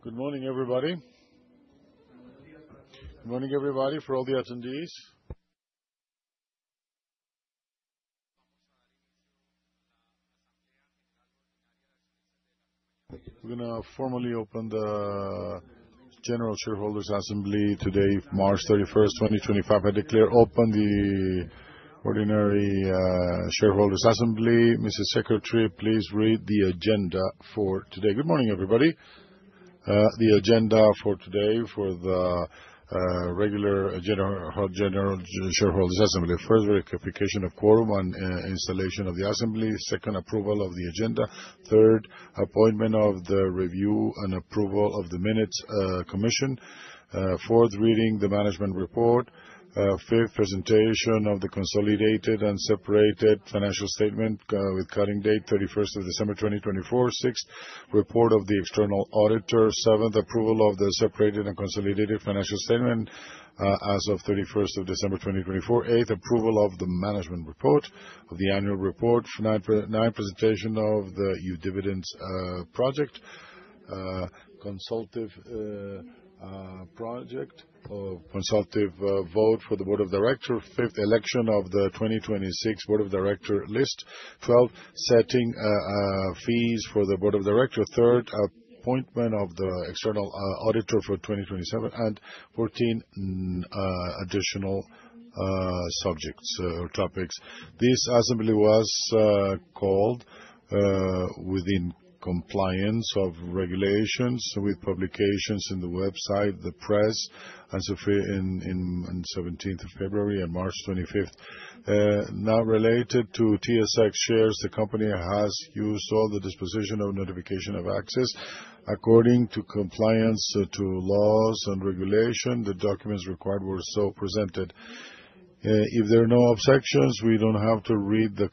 Good morning, everybody. Buenos días. Good morning, everybody, for all the attendees. We're going to formally open the General Shareholders' Assembly today, March 31st, 2025. I declare open the Ordinary Shareholders' Assembly. Mrs. Secretary, please read the agenda for today. Good morning, everybody. The agenda for today for the regular General Shareholders' Assembly: first, verification of quorum and installation of the assembly. Second, approval of the agenda. Third, appointment of the review and approval of the minutes commission. Fourth, reading the management report. Fifth, presentation of the consolidated and separate financial statement with cutoff date, 31st of December, 2024. Sixth, report of the external auditor. Seventh, approval of the separate and consolidated financial statement as of 31st of December, 2024. Eighth, approval of the management report of the annual report. Ninth, presentation of the dividend proposal consultative vote for the board of directors. Fifth, election of the 2025-2026 board of directors list. Twelfth, setting fees for the board of directors. Third, appointment of the external auditor for 2027. And fourteenth, additional subjects or topics. This assembly was called in compliance with regulations with publications on the website, the press, and on the 17th of February and March 25th. Now, related to TSX shares, the company has used all the dispositions for notification of access according to compliance with laws and regulations. The documents required were so presented. If there are no objections, we don't have to read that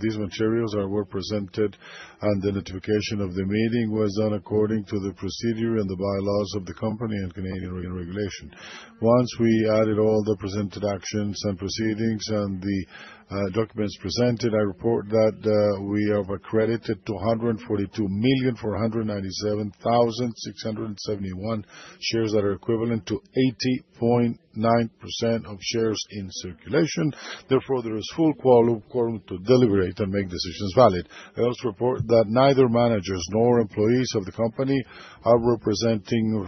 these materials were presented and the notification of the meeting was done according to the procedure and the bylaws of the company and Canadian regulations. Once we added all the presented actions and proceedings and the documents presented, I report that we have accredited 242,497,671 shares that are equivalent to 80.9% of shares in circulation. Therefore, there is full quorum to deliberate and make valid decisions. I also report that neither managers nor employees of the company are representing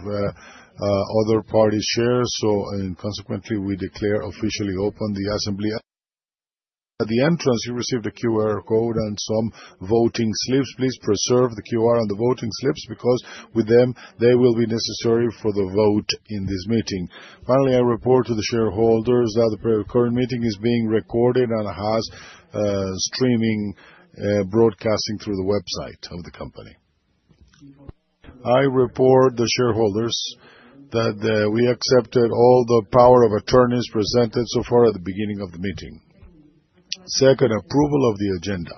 other parties' shares, so consequently, we declare officially open the assembly. At the entrance, you received a QR code and some voting slips. Please preserve the QR on the voting slips because with them, they will be necessary for the vote in this meeting. Finally, I report to the shareholders that the current meeting is being recorded and has streaming broadcasting through the website of the company. I report to the shareholders that we accepted all the power of attorneys presented so far at the beginning of the meeting. Second, approval of the agenda.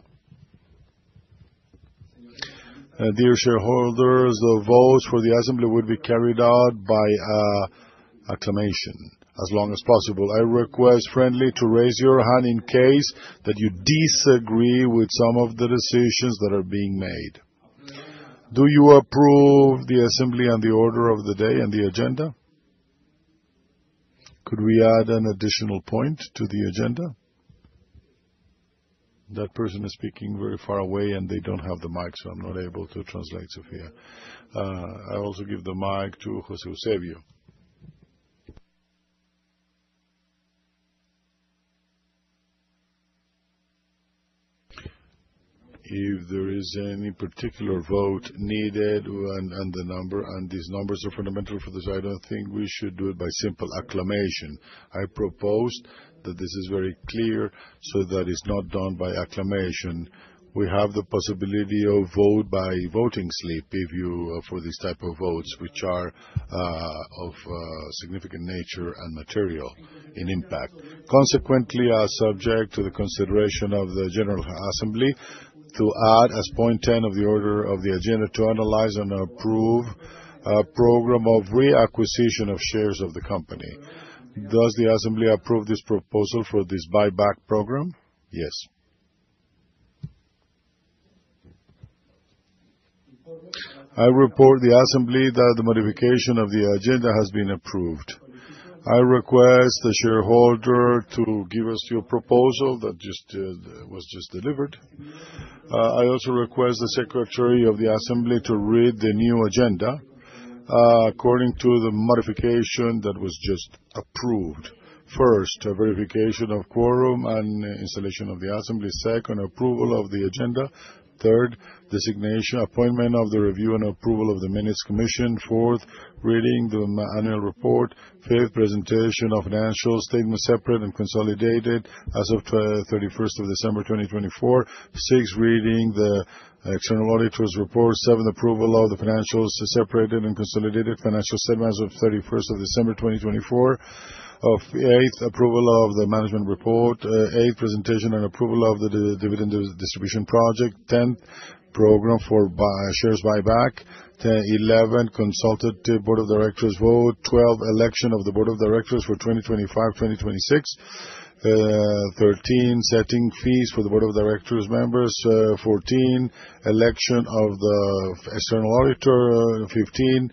Dear shareholders, the votes for the assembly would be carried out by acclamation as long as possible. I kindly request to raise your hand in case that you disagree with some of the decisions that are being made. Do you approve the assembly and the order of the day and the agenda? Could we add an additional point to the agenda? That person is speaking very far away and they don't have the mic, so I'm not able to translate, Sofía. I also give the mic to Jorge Eusebio. If there is any particular vote needed and the number, and these numbers are fundamental for this, I don't think we should do it by simple acclamation. I propose that this is very clear so that it's not done by acclamation. We have the possibility of vote by voting slip if you for these type of votes, which are of significant nature and material in impact. Consequently, as subject to the consideration of the General Assembly, to add as point 10 of the order of the agenda to analyze and approve program of reacquisition of shares of the company. Does the assembly approve this proposal for this buyback program? Yes. I report to the assembly that the modification of the agenda has been approved. I request the shareholder to give us your proposal that was just delivered. I also request the secretary of the assembly to read the new agenda according to the modification that was just approved. First, verification of quorum and installation of the assembly. Second, approval of the agenda. Third, designation and appointment of the review and approval of the minutes commission. Fourth, reading the annual report. Fifth, presentation of financial statements, separate and consolidated, as of 31st of December, 2024. Sixth, reading the external auditor's report. Seventh, approval of the financial statements, separate and consolidated, as of 31st of December, 2024. Eighth, approval of the management report. Eighth, presentation and approval of the dividend distribution project. Tenth, share buyback program. Eleventh, consultative board of directors vote. Twelve, election of the board of directors for 2025-2026. Thirteenth, setting fees for the board of directors members. Fourteenth, election of the external auditor. Fifteenth,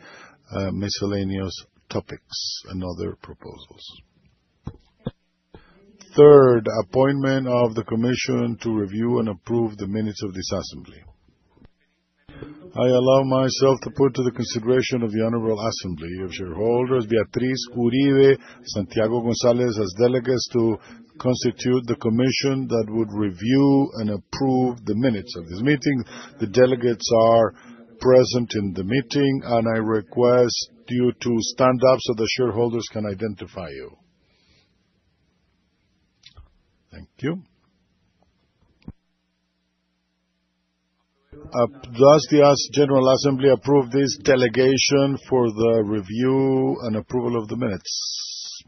miscellaneous topics. And other proposals. Third, appointment of the commission to review and approve the minutes of this assembly. I allow myself to put to the consideration of the honorable assembly of shareholders, Beatriz Uribe, Santiago González, as delegates to constitute the commission that would review and approve the minutes of this meeting. The delegates are present in the meeting, and I request you to stand up so the shareholders can identify you. Thank you. Does the general assembly approve this delegation for the review and approval of the minutes?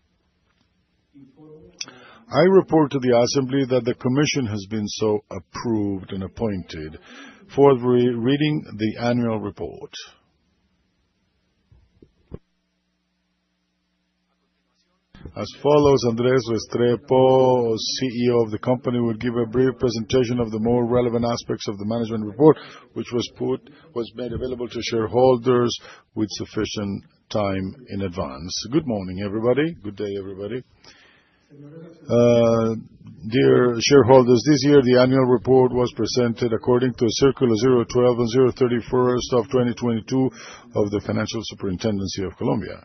I report to the assembly that the commission has been so approved and appointed. Fourth, reading the annual report. As follows, Andrés Restrepo, CEO of the company, would give a brief presentation of the more relevant aspects of the management report, which was made available to shareholders with sufficient time in advance. Good morning, everybody. Good day, everybody. Dear shareholders, this year, the annual report was presented according to Circular 012 on March 1st of 2022 of the Financial Superintendency of Colombia,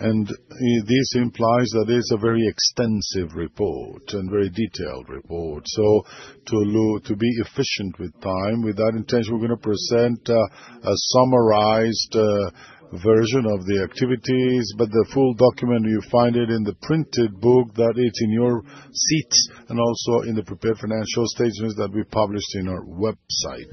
and this implies that it's a very extensive report and very detailed report, so to be efficient with time, with that intention, we're going to present a summarized version of the activities, but the full document, you find it in the printed book that is in your seat and also in the prepared financial statements that we published in our website.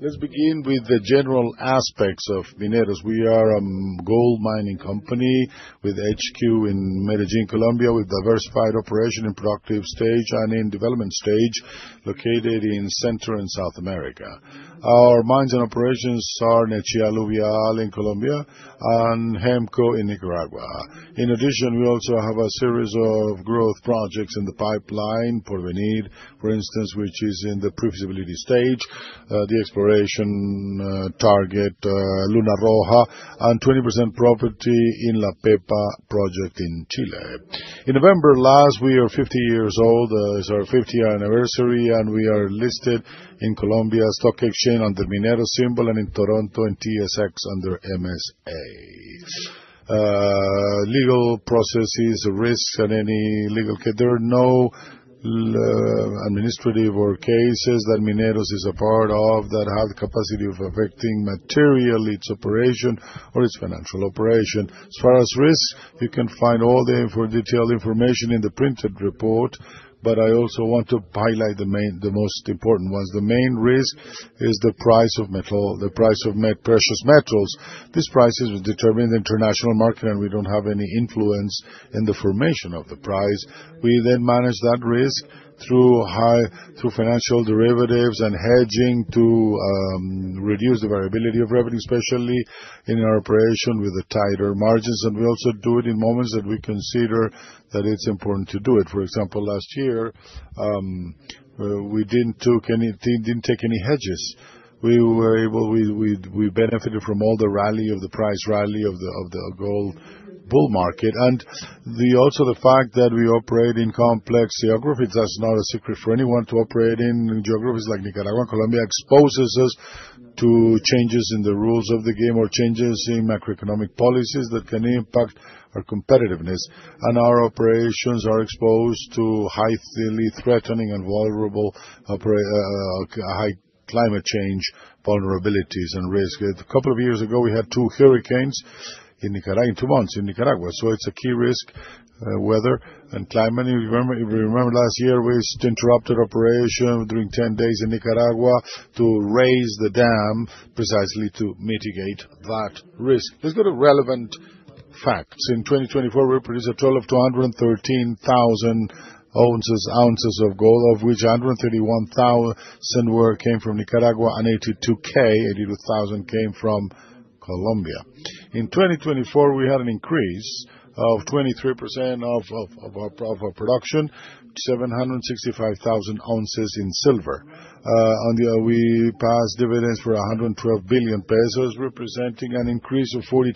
Let's begin with the general aspects of Mineros. We are a gold mining company with HQ in Medellín, Colombia, with diversified operation in productive stage and in development stage located in Central and South America. Our mines and operations are in Nechí, all in Colombia, and Hemco in Nicaragua. In addition, we also have a series of growth projects in the pipeline, Porvenir, for instance, which is in the pre-feasibility stage, the exploration target, Luna Roja, and 20% property in La Pepa project in Chile. In November last, we are 50 years old. It's our 50th anniversary, and we are listed in Colombian Stock Exchange under Mineros symbol and in Toronto in TSX under MSA. Legal processes, risks, and any legal case. There are no administrative or cases that Mineros is a part of that have the capacity of affecting materially its operation or its financial operation. As far as risks, you can find all the detailed information in the printed report, but I also want to highlight the most important ones. The main risk is the price of metal, the price of precious metals. This price is determined in the international market, and we don't have any influence in the formation of the price. We then manage that risk through financial derivatives and hedging to reduce the variability of revenue, especially in our operation with the tighter margins, and we also do it in moments that we consider that it's important to do it. For example, last year, we didn't take any hedges. We benefited from all the rally of the price rally of the gold bull market. And also the fact that we operate in complex geography, that's not a secret for anyone to operate in geographies like Nicaragua, Colombia, exposes us to changes in the rules of the game or changes in macroeconomic policies that can impact our competitiveness. And our operations are exposed to highly threatening and vulnerable high climate change vulnerabilities and risks. A couple of years ago, we had two hurricanes in Nicaragua, in two months in Nicaragua. So it's a key risk, weather and climate. If you remember, last year, we interrupted operation during 10 days in Nicaragua to raise the dam precisely to mitigate that risk. Let's go to relevant facts. In 2024, we produced a total of 213,000 ounces of gold, of which 131,000 were came from Nicaragua and 82,000 came from Colombia. In 2024, we had an increase of 23% of our production. 765,000 ounces in silver. We passed dividends for COP 112 billion, representing an increase of 42%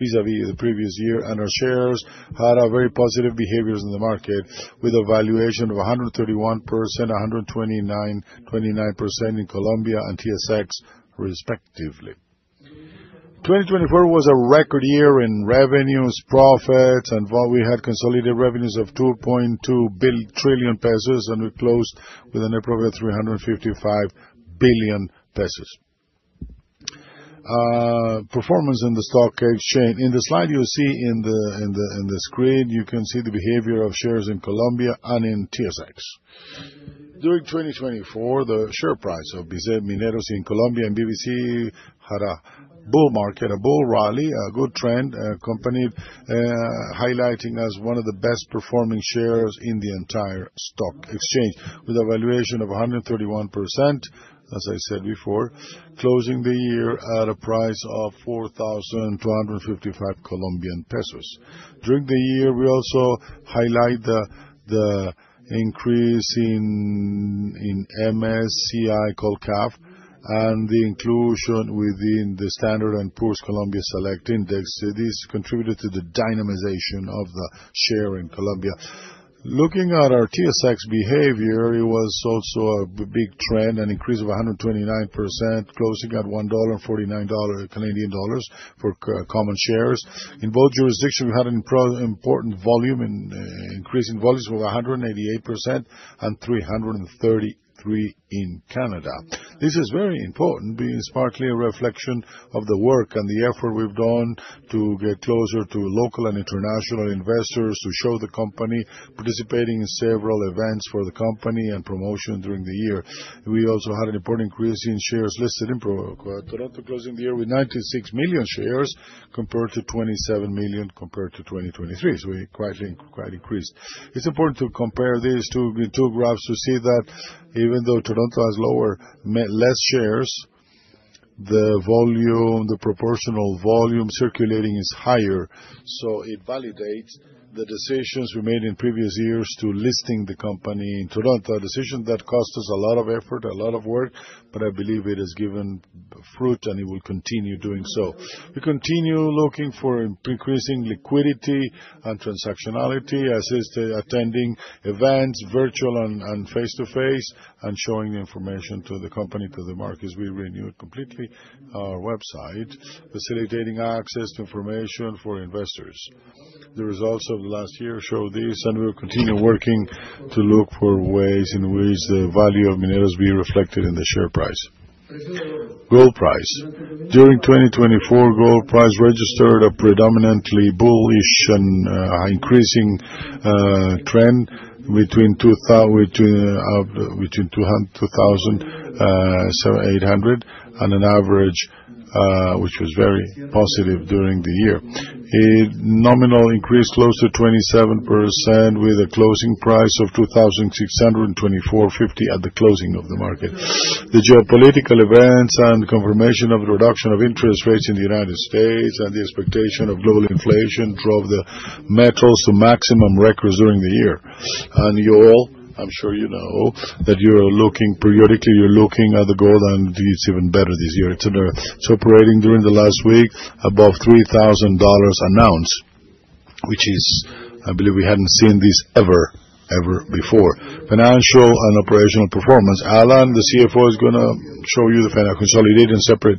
vis-à-vis the previous year, and our shares had very positive behaviors in the market with a valuation of 131%, 129% in Colombia and TSX, respectively. 2024 was a record year in revenues, profits, and we had consolidated revenues of COP 2.2 trillion, and we closed with an approval of COP 355 billion. Performance in the stock exchange. In the slide you see in the screen, you can see the behavior of shares in Colombia and in TSX. During 2024, the share price of Mineros in Colombia and BVC had a bull market, a bull rally, a good trend, a company highlighting as one of the best performing shares in the entire stock exchange with a valuation of 131%, as I said before, closing the year at a price of COP 4,255. During the year, we also highlight the increase in MSCI COLCAP and the inclusion within the Standard & Poor's Colombia Select Index. This contributed to the dynamization of the share in Colombia. Looking at our TSX behavior, it was also a big trend, an increase of 129%, closing at 1.49 dollar for common shares. In both jurisdictions, we had an important volume in increasing volumes of 188% and 333% in Canada. This is very important, being especially a reflection of the work and the effort we've done to get closer to local and international investors to show the company participating in several events for the company and promotion during the year. We also had an important increase in shares listed in Toronto, closing the year with 96 million shares compared to 27 million compared to 2023. So we quite increased. It's important to compare these two graphs to see that even though Toronto has less shares, the proportional volume circulating is higher. So it validates the decisions we made in previous years to listing the company in Toronto, a decision that cost us a lot of effort, a lot of work, but I believe it has given fruit and it will continue doing so. We continue looking for increasing liquidity and transactionality as is attending events, virtual and face-to-face, and showing the information to the company, to the markets. We renewed completely our website, facilitating access to information for investors. The results of the last year show this, and we will continue working to look for ways in which the value of Mineros will be reflected in the share price. Gold price. During 2024, the gold price registered a predominantly bullish and increasing trend between $2,800 and an average which was very positive during the year. Nominal increase close to 27% with a closing price of $2,624.50 at the closing of the market. The geopolitical events and confirmation of the reduction of interest rates in the United States and the expectation of global inflation drove the metals to maximum records during the year. And you all, I'm sure you know that you're looking periodically, you're looking at the gold, and it's even better this year. It's operating during the last week above $3,000 an ounce, which is, I believe we hadn't seen this ever, ever before. Financial and operational performance. Alan, the CFO, is going to show you the consolidated and separate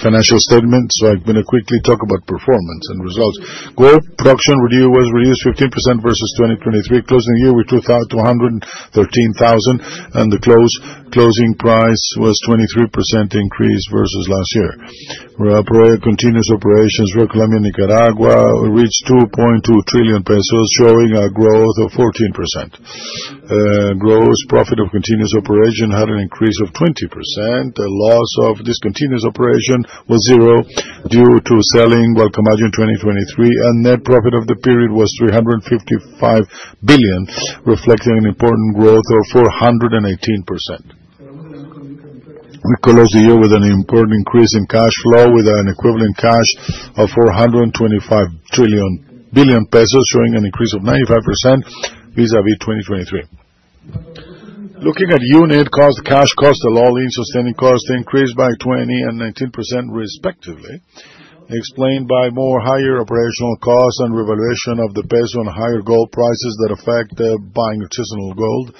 financial statements. So I'm going to quickly talk about performance and results. Gold production was reduced 15% versus 2023, closing the year with 213,000, and the closing price was 23% increase versus last year. We're operating continuous operations. We're Colombia and Nicaragua. We reached COP 2.2 trillion, showing a growth of 14%. Gross profit of continuous operation had an increase of 20%. The loss of discontinuous operation was zero due to selling Gualcamayo in 2023, and net profit of the period was COP 355 billion, reflecting an important growth of 418%. We closed the year with an important increase in cash flow with an equivalent cash of COP 425 trillion, showing an increase of 95% vis-à-vis 2023. Looking at unit cost, Cash Cost, and All-In Sustaining Costs, increased by 20% and 19% respectively, explained by more higher operational costs and revaluation of the peso and higher gold prices that affect buying additional gold,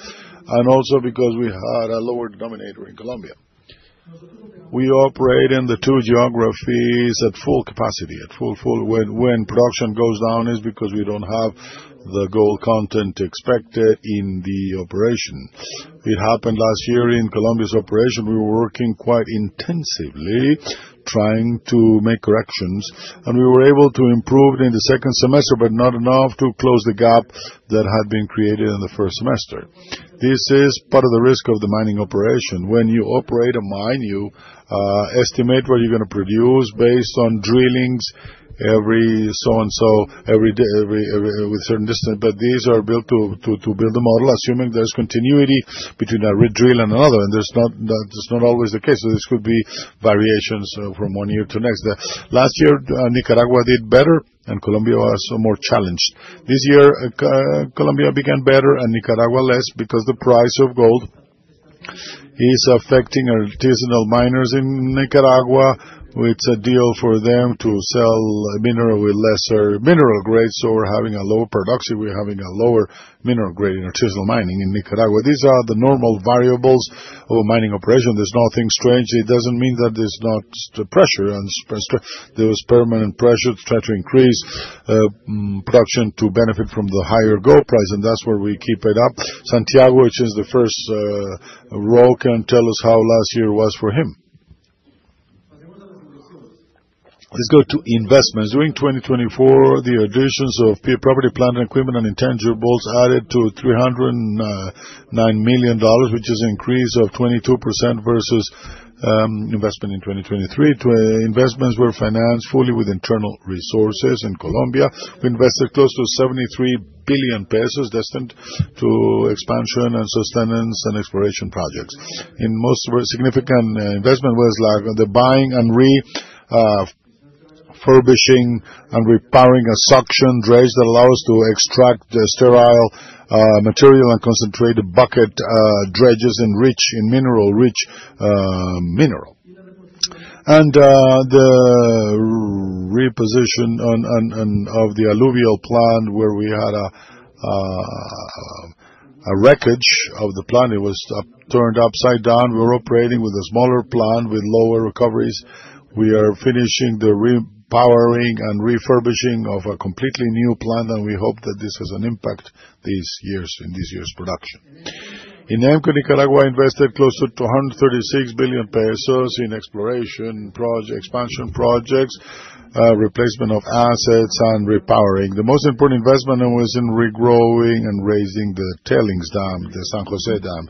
and also because we had a lower denominator in Colombia. We operate in the two geographies at full capacity. At full, when production goes down is because we don't have the gold content expected in the operation. It happened last year in Colombia's operation. We were working quite intensively trying to make corrections, and we were able to improve in the second semester, but not enough to close the gap that had been created in the first semester. This is part of the risk of the mining operation. When you operate a mine, you estimate what you're going to produce based on drillings every so and so, every with certain distance, but these are built to build a model, assuming there's continuity between a drill and another, and that's not always the case. So this could be variations from one year to next. Last year, Nicaragua did better, and Colombia was more challenged. This year, Colombia began better and Nicaragua less because the price of gold is affecting artisanal miners in Nicaragua. It's a deal for them to sell mineral with lesser mineral grades, so we're having a lower production. We're having a lower mineral grade in artisanal mining in Nicaragua. These are the normal variables of a mining operation. There's nothing strange. It doesn't mean that there's not pressure, and there was permanent pressure to try to increase production to benefit from the higher gold price, and that's where we keep it up. Santiago, which is the first row, can tell us how last year was for him. Let's go to investments. During 2024, the additions of property, plant and equipment and intangibles added to $309 million, which is an increase of 22% versus investment in 2023. Investments were financed fully with internal resources in Colombia. We invested close to COP 73 billion destined to expansion and sustaining and exploration projects. The most significant investment was the buying and refurbishing and repairing a suction dredge that allows us to extract sterile material and concentrate bucket dredges enriched in minerals. The repositioning of the Alluvial plant where we had a wreckage of the plant, it was turned upside down. We were operating with a smaller plant with lower recoveries. We are finishing the repairing and refurbishing of a completely new plant, and we hope that this has an impact in this year's production. In Hemco, Nicaragua, we invested close to COP 236 billion in exploration expansion projects, replacement of assets, and repairing. The most important investment was in regrading and raising the tailings dam, the San José Dam.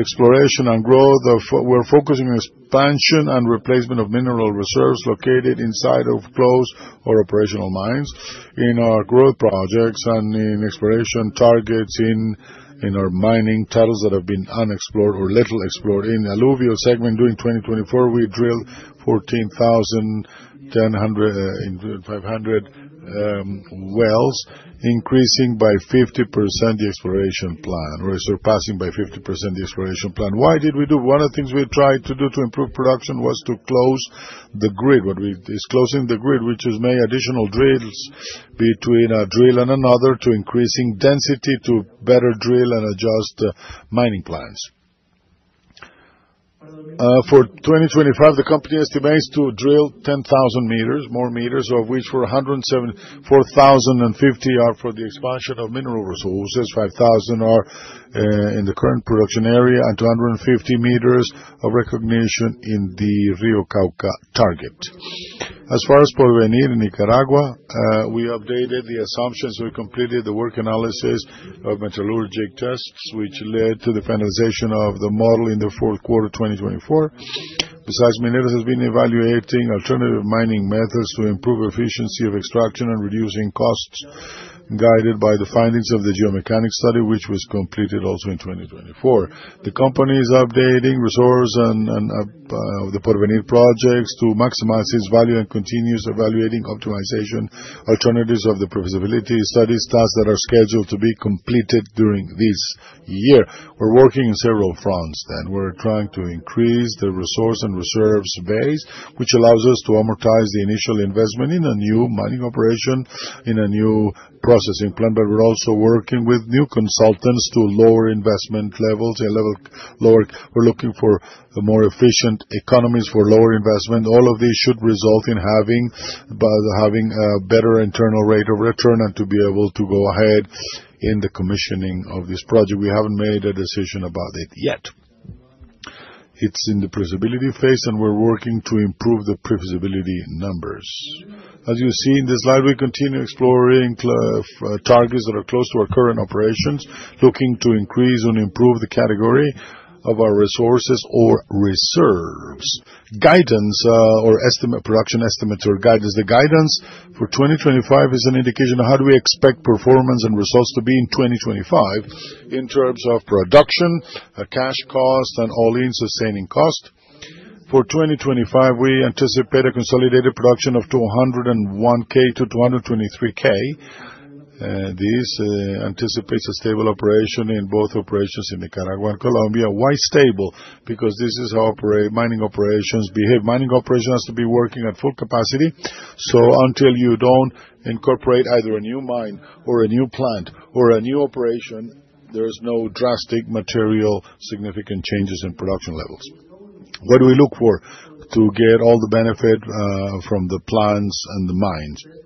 Exploration and growth, we're focusing on expansion and replacement of mineral reserves located inside of closed or operational mines in our growth projects and in exploration targets in our mining titles that have been unexplored or little explored. In alluvial segment, during 2024, we drilled 14,500 meters, increasing by 50% the exploration plan or surpassing by 50% the exploration plan. Why did we do? One of the things we tried to do to improve production was to close the grid. What it is, closing the grid, which is many additional drills between a drill and another to increasing density to better drill and adjust mining plans. For 2025, the company estimates to drill 10,000 meters, more meters, of which 4,050 are for the expansion of mineral resources, 5,000 are in the current production area, and 250 meters of reconnaissance in the Rio Cauca target. As far as Porvenir, Nicaragua, we updated the assumptions. We completed the work analysis of metallurgical tests, which led to the finalization of the model in the fourth quarter of 2024. Besides, Mineros has been evaluating alternative mining methods to improve efficiency of extraction and reducing costs guided by the findings of the geomechanical study, which was completed also in 2024. The company is updating resources of the Porvenir projects to maximize its value and continues evaluating optimization alternatives of the profitability studies tasks that are scheduled to be completed during this year. We're working in several fronts then. We're trying to increase the resource and reserves base, which allows us to amortize the initial investment in a new mining operation, in a new processing plant, but we're also working with new consultants to lower investment levels. We're looking for more efficient economies for lower investment. All of these should result in having a better internal rate of return and to be able to go ahead in the commissioning of this project. We haven't made a decision about it yet. It's in the profitability phase, and we're working to improve the profitability numbers. As you see in this slide, we continue exploring targets that are close to our current operations, looking to increase and improve the category of our resources or reserves. Guidance or production estimates or guidance. The guidance for 2025 is an indication of how do we expect performance and results to be in 2025 in terms of production, Cash Cost, and All-In Sustaining Cost. For 2025, we anticipate a consolidated production of 201K-223K. This anticipates a stable operation in both operations in Nicaragua and Colombia. Why stable? Because this is how mining operations behave. Mining operations has to be working at full capacity. Until you don't incorporate either a new mine or a new plant or a new operation, there's no drastic material significant changes in production levels. What do we look for to get all the benefit from the plants and the mines?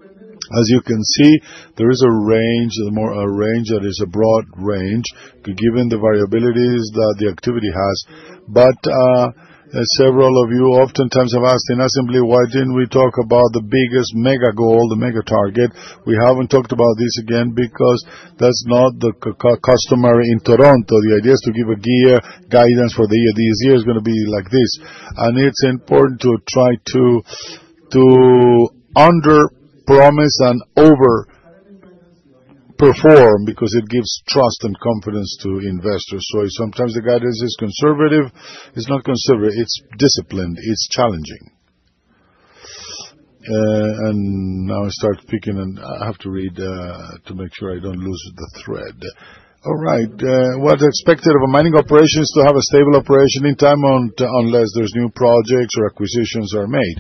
As you can see, there is a range that is a broad range given the variabilities that the activity has. But several of you oftentimes have asked in assembly, "Why didn't we talk about the biggest mega goal, the mega target?" We haven't talked about this again because that's not the custom in Toronto. The idea is to give clear guidance for the year. It's going to be like this. And it's important to try to under-promise and over-perform because it gives trust and confidence to investors. Sometimes the guidance is conservative. It's not conservative. It's disciplined. It's challenging, and now I start picking, and I have to read to make sure I don't lose the thread. All right. What's expected of a mining operation is to have a stable operation in time unless there's new projects or acquisitions are made.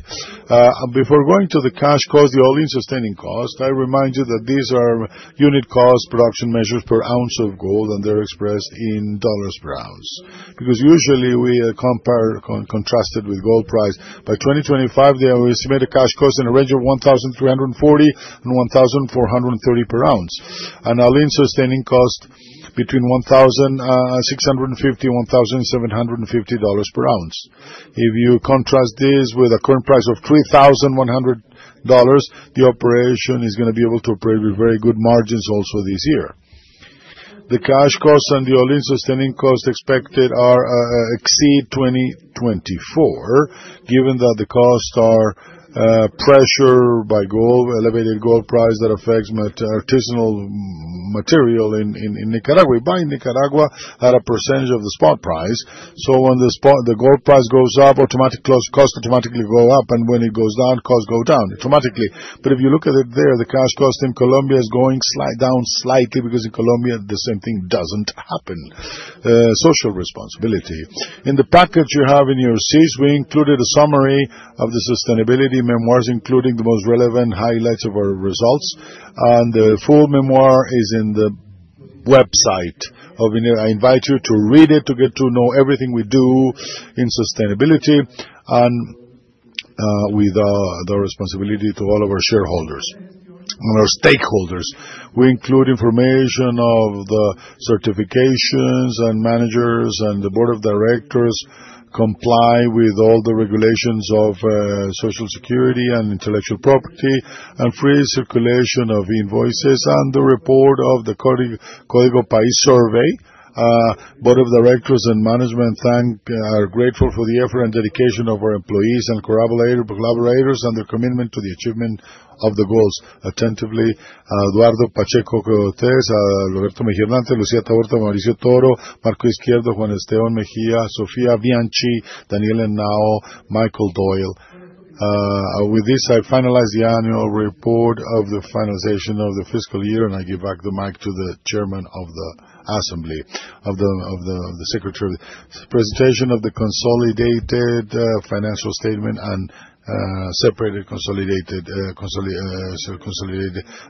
Before going to the Cash Cost, the All-In Sustaining Cost, I remind you that these are unit cost production measures per ounce of gold, and they're expressed in $ per ounce. Because usually we contrast it with gold price. By 2025, they estimate a Cash Cost in the range of $1,340 and $1,430 per ounce. And All-In Sustaining Cost between $1,650 and $1,750 per ounce. If you contrast this with a current price of $3,100, the operation is going to be able to operate with very good margins also this year. The Cash Cost and the All-In Sustaining Costs expected exceed 2024, given that the costs are pressured by the elevated gold price that affects artisanal material in Nicaragua. We buy in Nicaragua at a percentage of the spot price. So when the gold price goes up, costs automatically go up, and when it goes down, costs go down automatically. But if you look at it there, the Cash Cost in Colombia is going down slightly because in Colombia, the same thing doesn't happen. Social responsibility. In the package you have in your receipts, we included a summary of the sustainability report, including the most relevant highlights of our results. And the full report is on the website. I invite you to read it to get to know everything we do in sustainability and with the responsibility to all of our shareholders and our stakeholders. We include information of the certifications and managers and the board of directors comply with all the regulations of social security and intellectual property and free circulation of invoices and the report of the Código País survey. Board of directors and management are grateful for the effort and dedication of our employees and collaborators and their commitment to the achievement of the goals attentively. Eduardo Pacheco Cortés, Roberto Miguel Lante, Lucía Taborda, Mauricio Toro, Marco Izquierdo, Juan Esteban Mejía, Sofía Bianchi, Daniel Henao, Michael Doyle. With this, I finalize the annual report of the finalization of the fiscal year, and I give back the mic to the chairman of the assembly, of the secretary. Presentation of the consolidated financial statement and separated consolidated.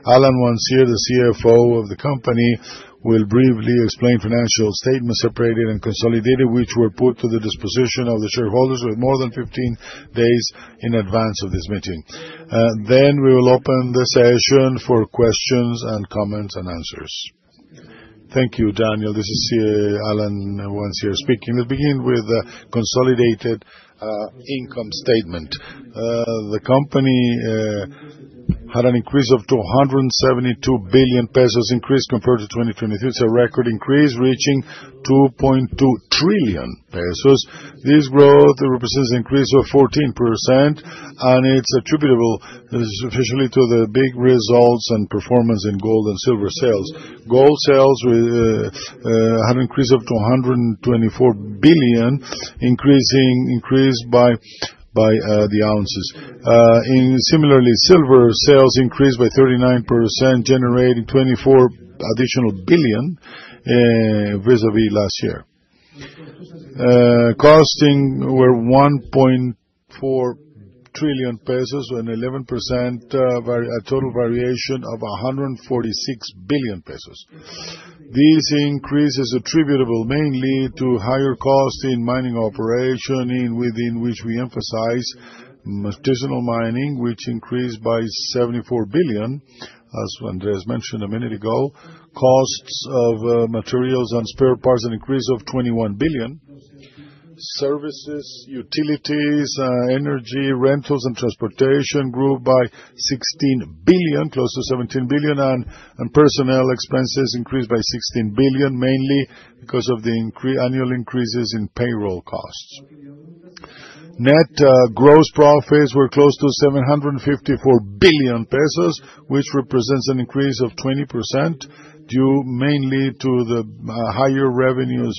Alan Wancier, the CFO of the company, will briefly explain financial statements separated and consolidated, which were put to the disposition of the shareholders with more than 15 days in advance of this meeting. Then we will open the session for questions and comments and answers. Thank you, Daniel. This is Alan Wancier speaking. Let's begin with the consolidated income statement. The company had an increase of COP 272 billion compared to 2023. It's a record increase reaching COP 2.2 trillion. This growth represents an increase of 14%, and it's attributable sufficiently to the big results and performance in gold and silver sales. Gold sales had an increase of COP 224 billion, increased by the ounces. Similarly, silver sales increased by 39%, generating COP 24 billion additional vis-à-vis last year. Costing were COP 1.4 trillion and 11% total variation of COP 146 billion. This increase is attributable mainly to higher costs in mining operation, within which we emphasize artisanal mining, which increased by COP 74 billion, as Andrés mentioned a minute ago. Costs of materials and spare parts increased of COP 21 billion. Services, utilities, energy, rentals, and transportation grew by COP 16 billion, close to COP 17 billion, and personnel expenses increased by COP 16 billion, mainly because of the annual increases in payroll costs. Net gross profits were close to COP 754 billion, which represents an increase of 20% due mainly to the higher revenues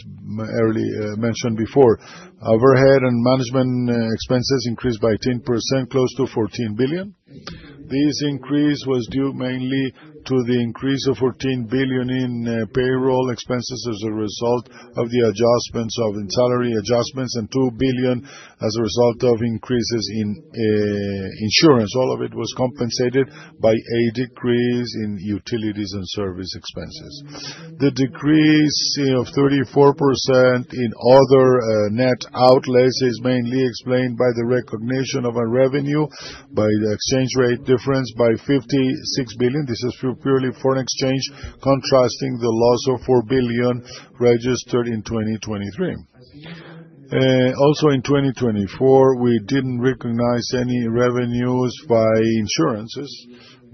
mentioned before. Overhead and management expenses increased by 10%, close to COP 14 billion. This increase was due mainly to the increase of COP 14 billion in payroll expenses as a result of the adjustments of salary adjustments and COP 2 billion as a result of increases in insurance. All of it was compensated by a decrease in utilities and service expenses. The decrease of 34% in other net outlays is mainly explained by the recognition of a revenue by the exchange rate difference by COP 56 billion. This is purely foreign exchange, contrasting the loss of 4 billion registered in 2023. Also, in 2024, we didn't recognize any revenues by insurances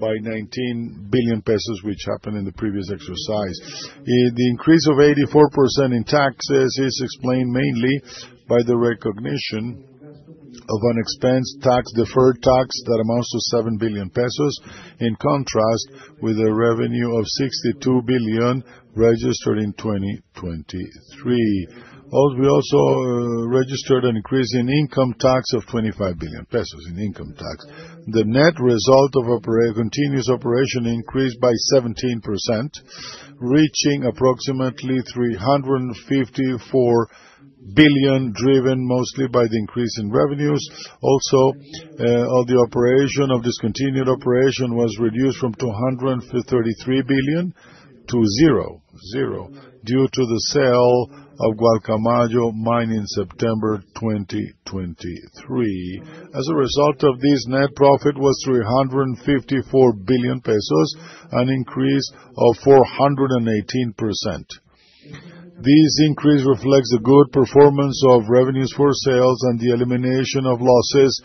by COP 19 billion pesos, which happened in the previous exercise. The increase of 84% in taxes is explained mainly by the recognition of an expense tax, deferred tax that amounts to COP 7 billion pesos, in contrast with a revenue of COP 62 billion registered in 2023. We also registered an increase in income tax of COP 25 billion pesos in income tax. The net result of continuous operation increased by 17%, reaching approximately COP 354 billion, driven mostly by the increase in revenues. Also, the operation of discontinued operation was reduced from COP 233 billion to zero due to the sale of Gualcamayo mine in September 2023. As a result of this, net profit was COP 354 billion, an increase of 418%. This increase reflects the good performance of revenues for sales and the elimination of losses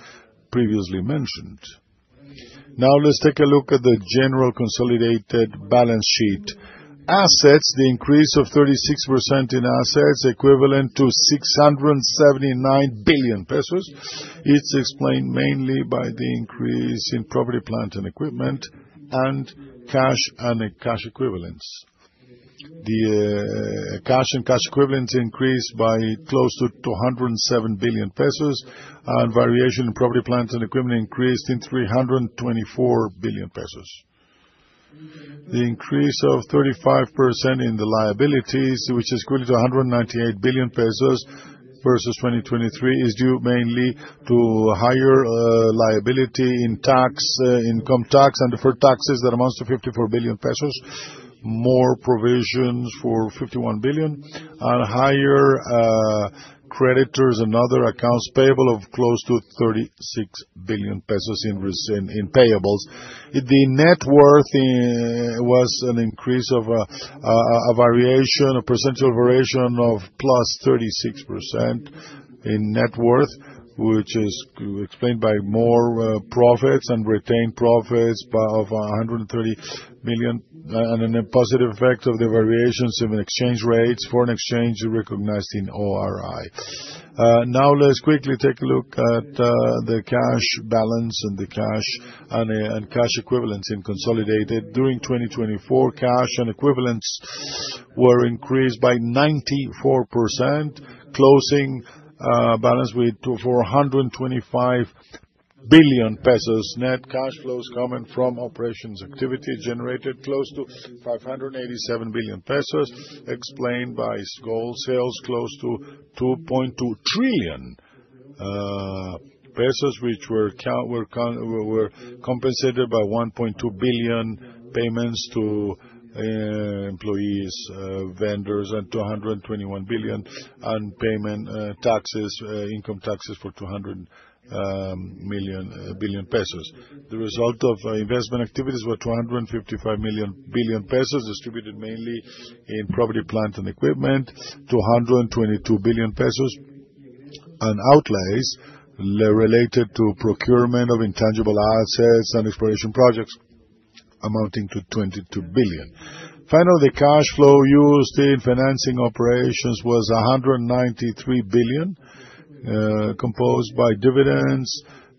previously mentioned. Now, let's take a look at the general consolidated balance sheet. Assets, the increase of 36% in assets equivalent to COP 679 billion. It's explained mainly by the increase in property, plant, and equipment, and cash and cash equivalents. The cash and cash equivalents increased by close to COP 207 billion, and variation in property, plant, and equipment increased in COP 324 billion. The increase of 35% in the liabilities, which is equal to COP 198 billion versus 2023, is due mainly to higher liability in income tax and deferred taxes that amounts to COP 54 billion, more provisions for COP 51 billion, and higher creditors and other accounts payable of close to COP 36 billion in payables. The net worth was an increase of a variation, a percentual variation of plus 36% in net worth, which is explained by more profits and retained profits of COP 130 billion, and a positive effect of the variations in exchange rates, foreign exchange recognized in ORI. Now, let's quickly take a look at the cash balance and the cash equivalents in consolidated. During 2024, cash and equivalents were increased by 94%, closing balance with COP 425 billion. Net cash flows coming from operations activity generated close to COP 587 billion, explained by gold sales close to COP 2.2 trillion, which were compensated by COP 1.2 billion payments to employees, vendors, and COP 221 billion in income taxes for COP 200 million. The result of investment activities was COP 255 million, distributed mainly in property, plant, and equipment, COP 222 billion, and outlays related to procurement of intangible assets and exploration projects amounting to COP 22 billion. Finally, the cash flow used in financing operations was COP 193 billion, composed by dividends,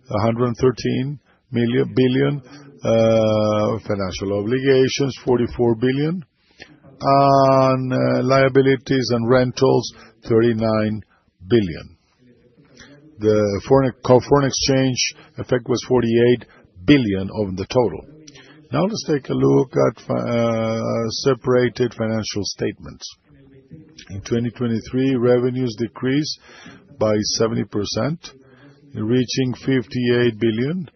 COP 113 billion, financial obligations, COP 44 billion, and liabilities and rentals, COP 39 billion. The foreign exchange effect was COP 48 billion of the total. Now, let's take a look at separate financial statements. In 2023, revenues decreased by 70%, reaching COP 58 billion,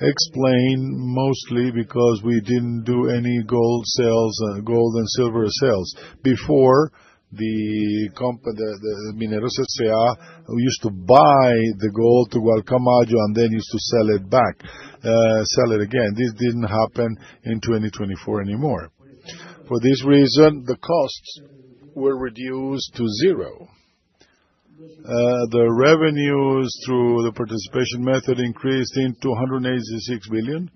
explained mostly because we didn't do any gold and silver sales. Before, the Mineros S.A. used to buy the gold to Gualcamayo and then used to sell it again. This didn't happen in 2024 anymore. For this reason, the costs were reduced to zero. The revenues through the participation method increased to COP 186 billion,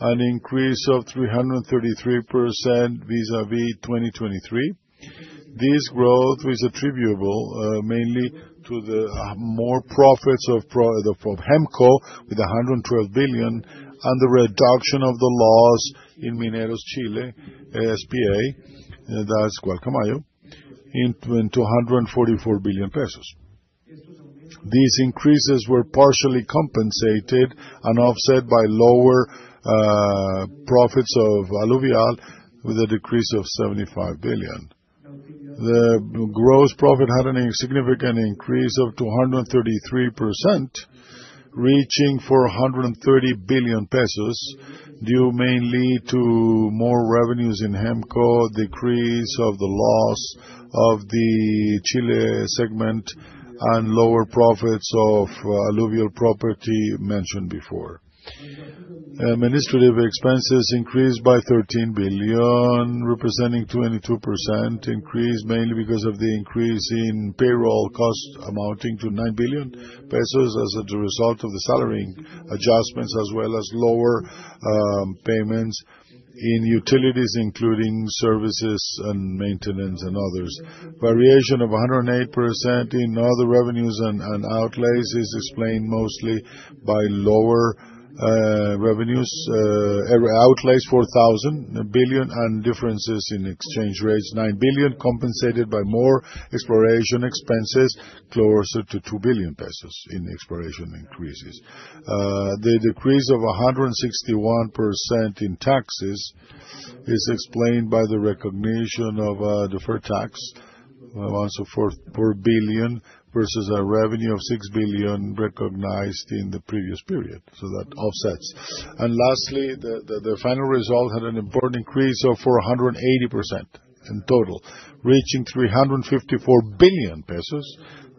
an increase of 333% vis-à-vis 2023. This growth is attributable mainly to the higher profits of Hemco with COP 112 billion and the reduction of the loss in Mineros Chile S.P.A., that's Gualcamayo, to COP 144 billion pesos. These increases were partially compensated and offset by lower profits of Alluvial with a decrease of COP 75 billion. The gross profit had a significant increase of 233%, reaching COP 430 billion pesos, due mainly to more revenues in Hemco, decrease of the loss of the Chile segment, and lower profits of Alluvial previously mentioned before. Administrative expenses increased by COP 13 billion, representing 22%, increased mainly because of the increase in payroll costs amounting to COP 9 billion as a result of the salary adjustments, as well as lower payments in utilities, including services and maintenance and others. Variation of 108% in other revenues and outlays is explained mostly by lower revenues, outlays COP 4,000 billion and differences in exchange rates, COP 9 billion compensated by more exploration expenses closer to COP 2 billion in exploration increases. The decrease of 161% in taxes is explained by the recognition of a deferred tax amounts to COP 4 billion versus a revenue of COP 6 billion recognized in the previous period, so that offsets, and lastly, the final result had an important increase of 480% in total, reaching COP 354 billion,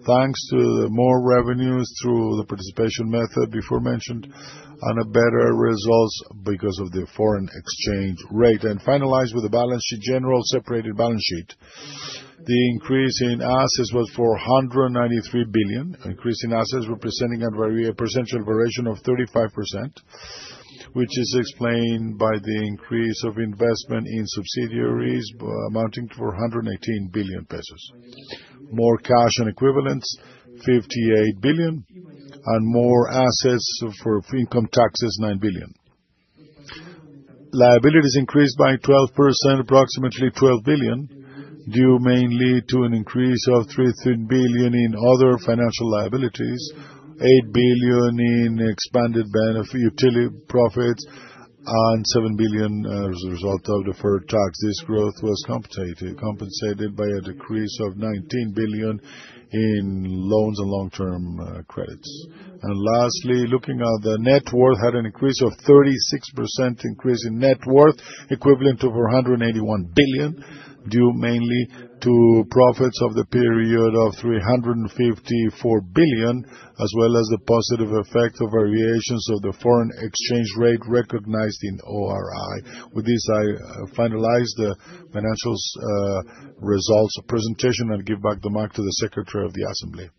thanks to the more revenues through the participation method before mentioned and better results because of the foreign exchange rate. Finalized with the balance sheet general, separated balance sheet. The increase in assets was COP 493 billion, increase in assets representing a percentual variation of 35%, which is explained by the increase of investment in subsidiaries amounting to COP 418 billion. More cash and equivalents, COP 58 billion, and more assets for income taxes, COP 9 billion. Liabilities increased by 12%, approximately COP 12 billion, due mainly to an increase of COP 33 billion in other financial liabilities, COP 8 billion in expanded profits, and COP 7 billion as a result of deferred tax. This growth was compensated by a decrease of COP 19 billion in loans and long-term credits. Lastly, looking at the net worth, had an increase of 36% increase in net worth, equivalent to COP 481 billion, due mainly to profits of the period of COP 354 billion, as well as the positive effect of variations of the foreign exchange rate recognized in ORI. With this, I finalize the financial results presentation and give back the mic to the Secretary of the Assembly.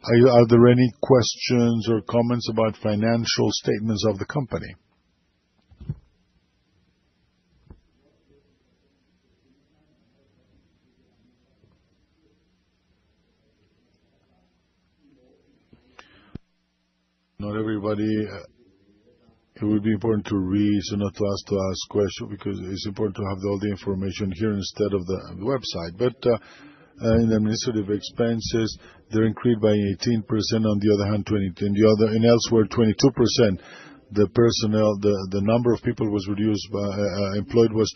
Are there any questions or comments about financial statements of the company? Not everybody. It would be important to read so not to ask questions because it's important to have all the information here instead of the website. But in the administrative expenses, they're increased by 18%. On the other hand, in elsewhere, 22%. The number of people employed was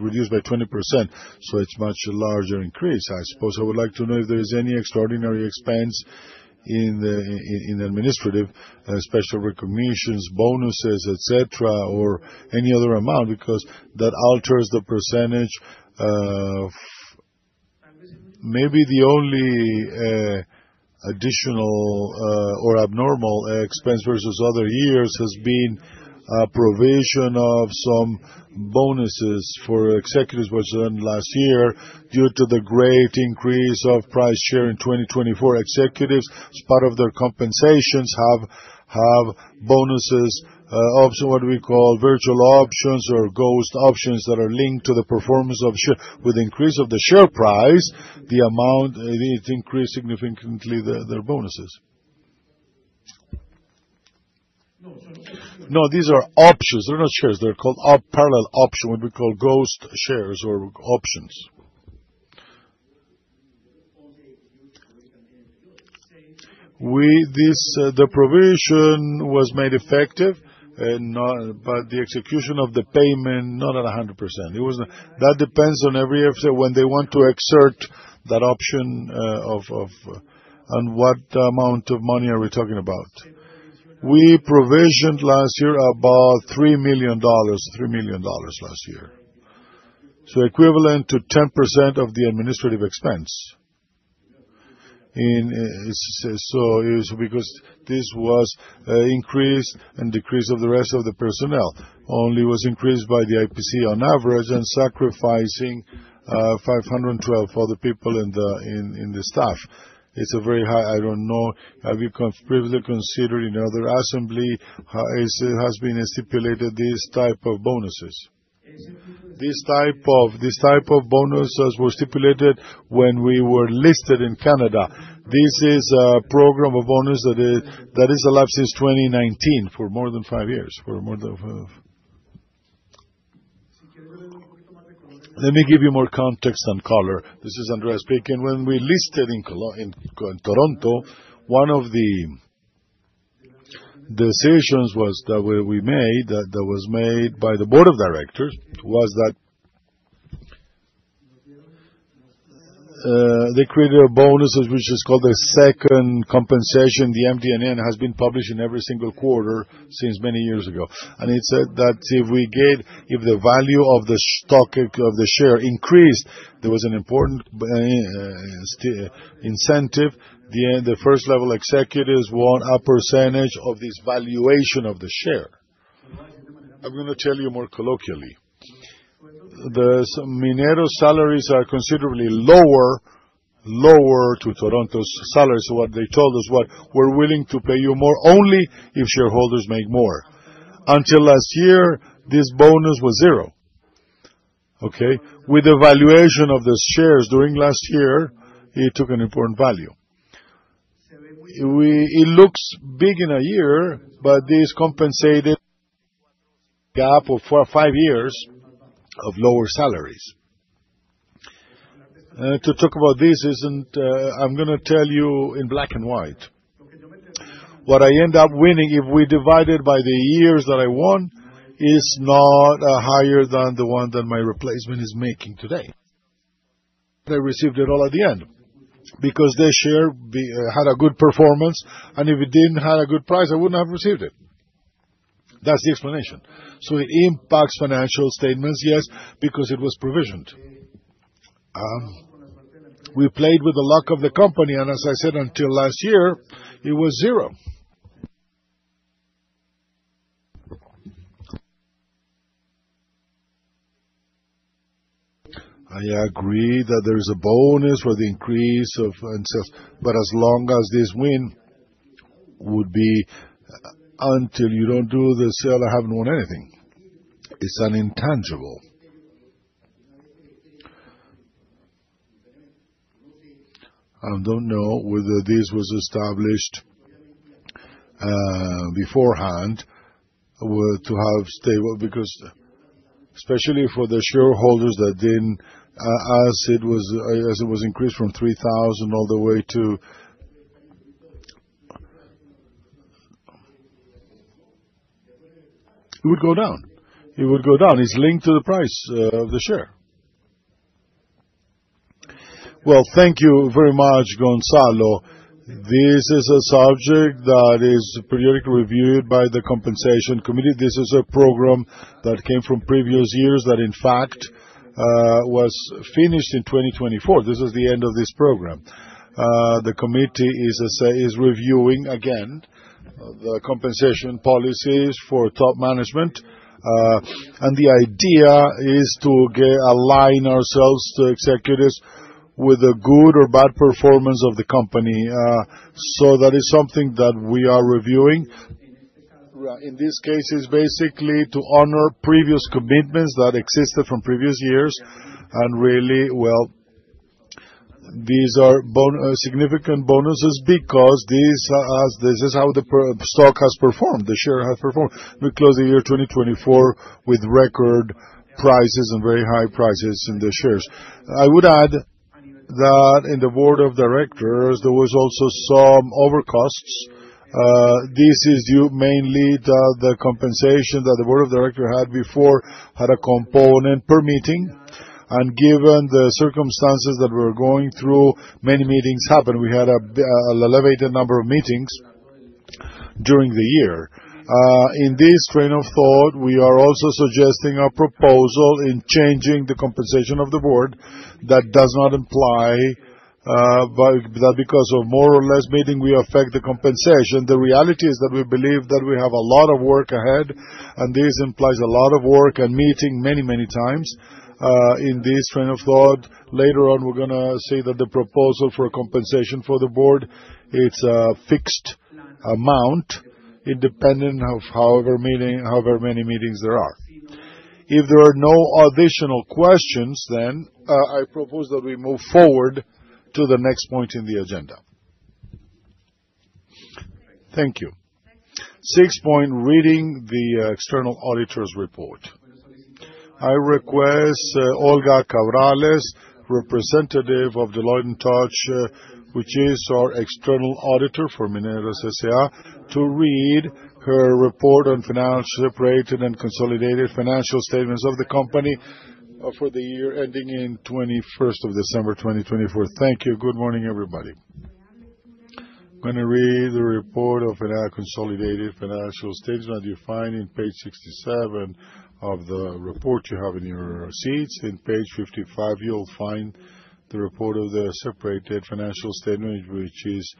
reduced by 20%. So it's much larger increase, I suppose. I would like to know if there is any extraordinary expense in the administrative, special recognitions, bonuses, etc., or any other amount because that alters the percentage. Maybe the only additional or abnormal expense versus other years has been provision of some bonuses for executives versus last year due to the great increase of share price in 2024. Executives, as part of their compensations, have bonuses of what we call virtual options or ghost options that are linked to the performance of share. With the increase of the share price, the amount, it increased significantly their bonuses. No, these are options. They're not shares. They're called parallel options, what we call ghost shares or options. The provision was made effective, but the execution of the payment, not at 100%. That depends on every effort when they want to exercise that option of what amount of money are we talking about. We provisioned last year about $3 million, $3 million last year. So equivalent to 10% of the administrative expense. So it's because this was an increase and decrease of the rest of the personnel. Only was increased by the IPC on average and sacrificing 512 for the people in the staff. It's a very high, I don't know, have you previously considered in other assembly has been stipulated these type of bonuses? This type of bonuses were stipulated when we were listed in Canada. This is a program of bonus that is alive since 2019 for more than five years. Let me give you more context and color. This is Andrea speaking. When we listed in Toronto, one of the decisions that we made that was made by the board of directors was that they created a bonus which is called the second compensation. The MD&A has been published in every single quarter since many years ago. And it said that if the value of the stock of the share increased, there was an important incentive. The first level executives won a percentage of this valuation of the share. I'm going to tell you more colloquially. The Mineros' salaries are considerably lower to Toronto's salaries. So what they told us was, "We're willing to pay you more only if shareholders make more." Until last year, this bonus was zero. Okay? With the valuation of the shares during last year, it took an important value. It looks big in a year, but this compensated a gap of four or five years of lower salaries. To talk about this, I'm going to tell you in black and white. What I end up winning, if we divide it by the years that I won, is not higher than the one that my replacement is making today. They received it all at the end because their share had a good performance, and if it didn't have a good price, I wouldn't have received it. That's the explanation. So it impacts financial statements, yes, because it was provisioned. We played with the luck of the company, and as I said, until last year, it was zero. I agree that there is a bonus for the increase of, but as long as this win would be until you don't do the sale, I haven't won anything. It's intangible. I don't know whether this was established beforehand to have stability because especially for the shareholders that didn't, as it was increased from 3,000 all the way to it would go down. It would go down. It's linked to the price of the share. Well, thank you very much, Gonzalo. This is a subject that is periodically reviewed by the compensation committee. This is a program that came from previous years that, in fact, was finished in 2024. This is the end of this program. The committee is reviewing again the compensation policies for top management, and the idea is to align ourselves to executives with a good or bad performance of the company, so that is something that we are reviewing. In this case, it's basically to honor previous commitments that existed from previous years, and really, well, these are significant bonuses because this is how the stock has performed, the share has performed. We closed the year 2024 with record prices and very high prices in the shares. I would add that in the board of directors, there were also some overcosts. This is mainly the compensation that the board of directors had before a component per meeting, and given the circumstances that we were going through, many meetings happened. We had an elevated number of meetings during the year. In this train of thought, we are also suggesting a proposal in changing the compensation of the board that does not imply that because of more or less meeting, we affect the compensation. The reality is that we believe that we have a lot of work ahead, and this implies a lot of work and meeting many, many times. In this train of thought, later on, we're going to say that the proposal for compensation for the board, it's a fixed amount independent of however many meetings there are. If there are no additional questions, then I propose that we move forward to the next point in the agenda. Thank you. Sixth point, reading the external auditor's report. I request Olga Cabrales, representative of Deloitte & Touche, which is our external auditor for Mineros S.A. to read her report on separate financial and consolidated financial statements of the company for the year ended 31st of December, 2024. Thank you. Good morning, everybody. I'm going to read the report of our consolidated financial statements that you find on page 67 of the report you have in your hands. On page 55, you'll find the report of the separate financial statements, which is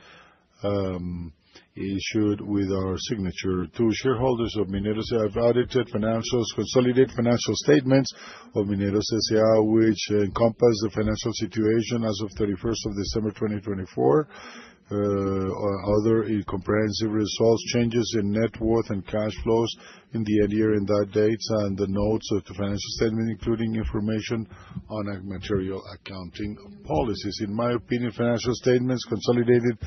issued with our signature. To the shareholders of Mineros S.A., we have audited the consolidated financial statements of Mineros S.A., which comprise the statement of financial position as of 31st of December 2024, the statement of profit or loss and other comprehensive income, changes in equity and cash flows for the year then ended, and notes to the financial statements, including information on significant accounting policies. In my opinion, financial statements, consolidated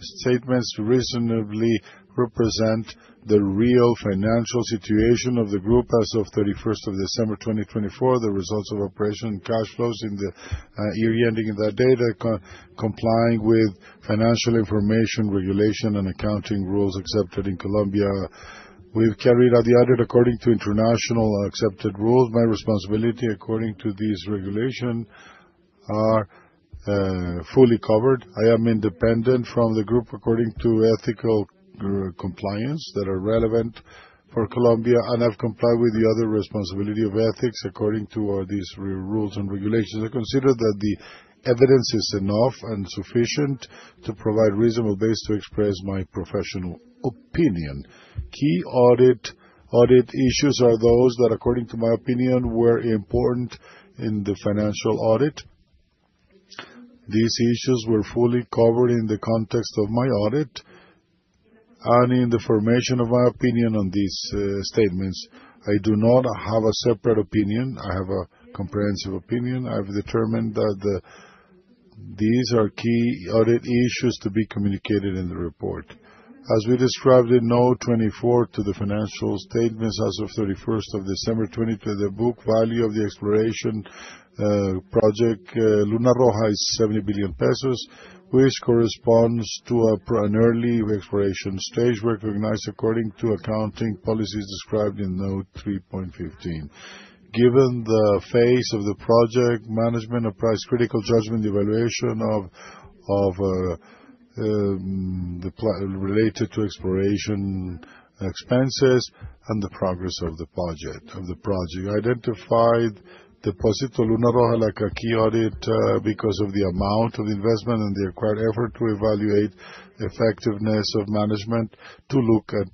statements reasonably represent the real financial situation of the group as 31st of December, 2024, the results of operation and cash flows in the year ending in that data, complying with financial information regulation and accounting rules accepted in Colombia. We've carried out the audit according to international accepted rules. My responsibility according to these regulations are fully covered. I am independent from the group according to ethical compliance that are relevant for Colombia, and I've complied with the other responsibility of ethics according to these rules and regulations. I consider that the evidence is enough and sufficient to provide a reasonable base to express my professional opinion. Key audit issues are those that, according to my opinion, were important in the financial audit. These issues were fully covered in the context of my audit and in the formation of my opinion on these statements. I do not have a separate opinion. I have a comprehensive opinion. I've determined that these are key audit issues to be communicated in the report. As we described in note 24 to the financial statements as of 31st of December, 2024, the book value of the exploration project Luna Roja is COP 70 billion, which corresponds to an early exploration stage recognized according to accounting policies described in note 3.15. Given the phase of the project management, a price critical judgment evaluation related to exploration expenses and the progress of the project identified the positive Luna Roja like a key audit because of the amount of investment and the required effort to evaluate effectiveness of management to look at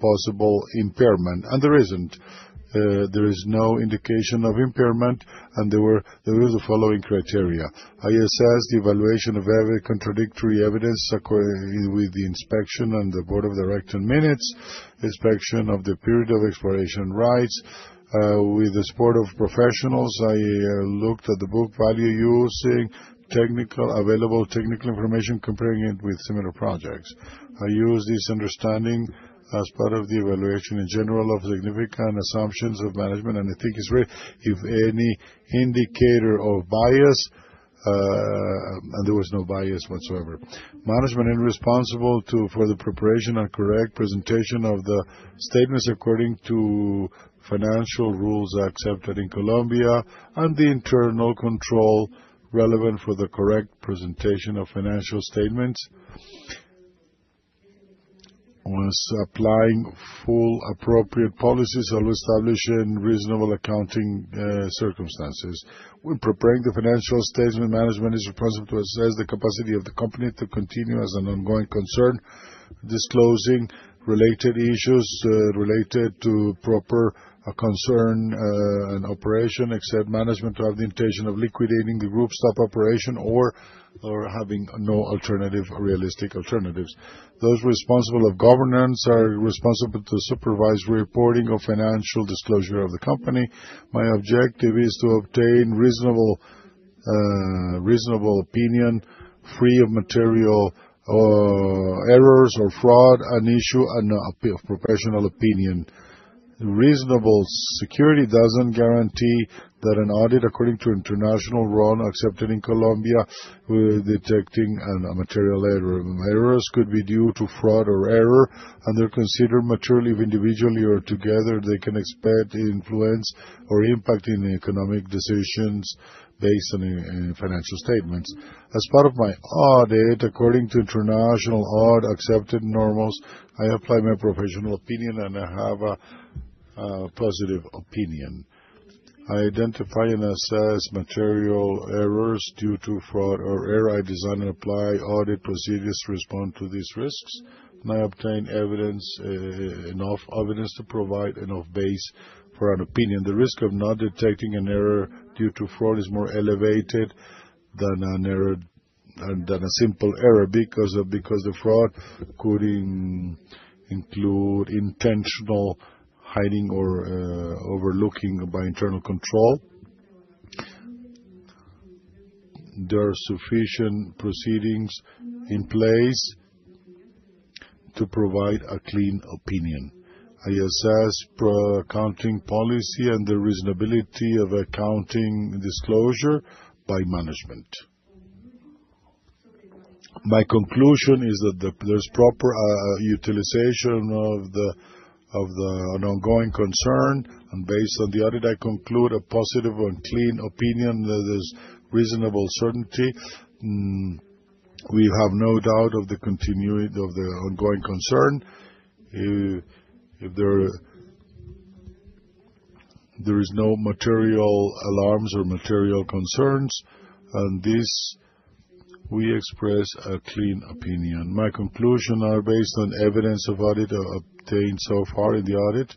possible impairment, and there isn't. There is no indication of impairment, and there were the following criteria. I assessed the evaluation of every contradictory evidence with the inspection and the board of directors minutes, inspection of the period of exploration rights with the support of professionals. I looked at the book value using available technical information, comparing it with similar projects. I used this understanding as part of the evaluation in general of significant assumptions of management, and I think it's really, if any, indicator of bias, and there was no bias whatsoever. Management is responsible for the preparation and correct presentation of the statements according to financial rules accepted in Colombia and the internal control relevant for the correct presentation of financial statements while applying full appropriate policies that were established in reasonable accounting circumstances. When preparing the financial statements, management is responsible to assess the capacity of the company to continue as a going concern, disclosing related issues related to going concern and operation, except management to have the intention of liquidating the group, stop operation, or having no realistic alternatives. Those responsible for governance are responsible to supervise reporting of financial disclosure of the company. My objective is to obtain reasonable assurance free of material errors or fraud, an issue, and a professional opinion. Reasonable assurance doesn't guarantee that an audit according to international rule accepted in Colombia with detecting material errors could be due to fraud or error, and they're considered materially if individually or together. They can expect influence or impact in economic decisions based on financial statements. As part of my audit, according to international auditing standards accepted in Colombia, I apply my professional opinion, and I have a positive opinion. I identify and assess material errors due to fraud or error. I design and apply audit procedures to respond to these risks, and I obtain enough evidence to provide enough basis for an opinion. The risk of not detecting an error due to fraud is more elevated than a simple error because the fraud could include intentional hiding or overlooking by internal control. There are sufficient procedures in place to provide a clean opinion. I assess accounting policy and the reasonableness of accounting disclosure by management. My conclusion is that there's proper utilization of a going concern, and based on the audit, I conclude a positive and clean opinion that there's reasonable certainty. We have no doubt of the going concern. There are no material alarms or material concerns, and we express a clean opinion. My conclusions are based on evidence of audit obtained so far in the audit.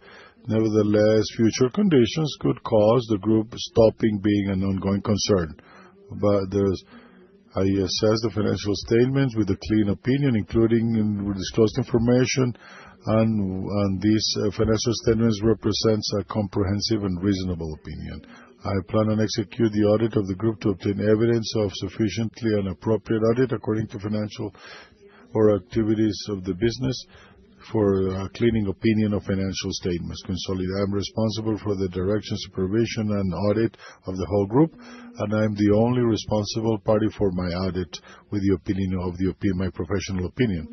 Nevertheless, future conditions could cause the group stopping being a going concern. I assess the financial statements with a clean opinion, including disclosed information, and these financial statements represent a comprehensive and reasonable opinion. I plan and execute the audit of the group to obtain evidence of sufficient and appropriate audit according to financial or activities of the business for a clean opinion of financial statements. I'm responsible for the direction, supervision, and audit of the whole group, and I'm the only responsible party for my audit with the opinion of my professional opinion.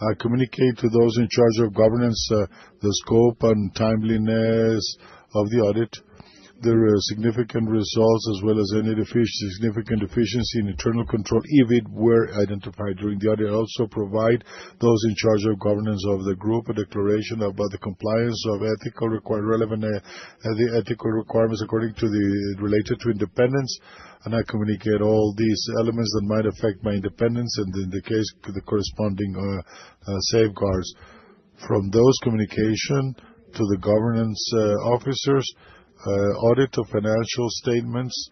I communicate to those in charge of governance the scope and timeliness of the audit. There are significant results as well as any significant deficiency in internal control if it were identified during the audit. I also provide those in charge of governance of the group a declaration about the compliance of ethical requirements according to the related to independence, and I communicate all these elements that might affect my independence and, in the case, the corresponding safeguards. From those communications to the governance officers, audit of financial statements,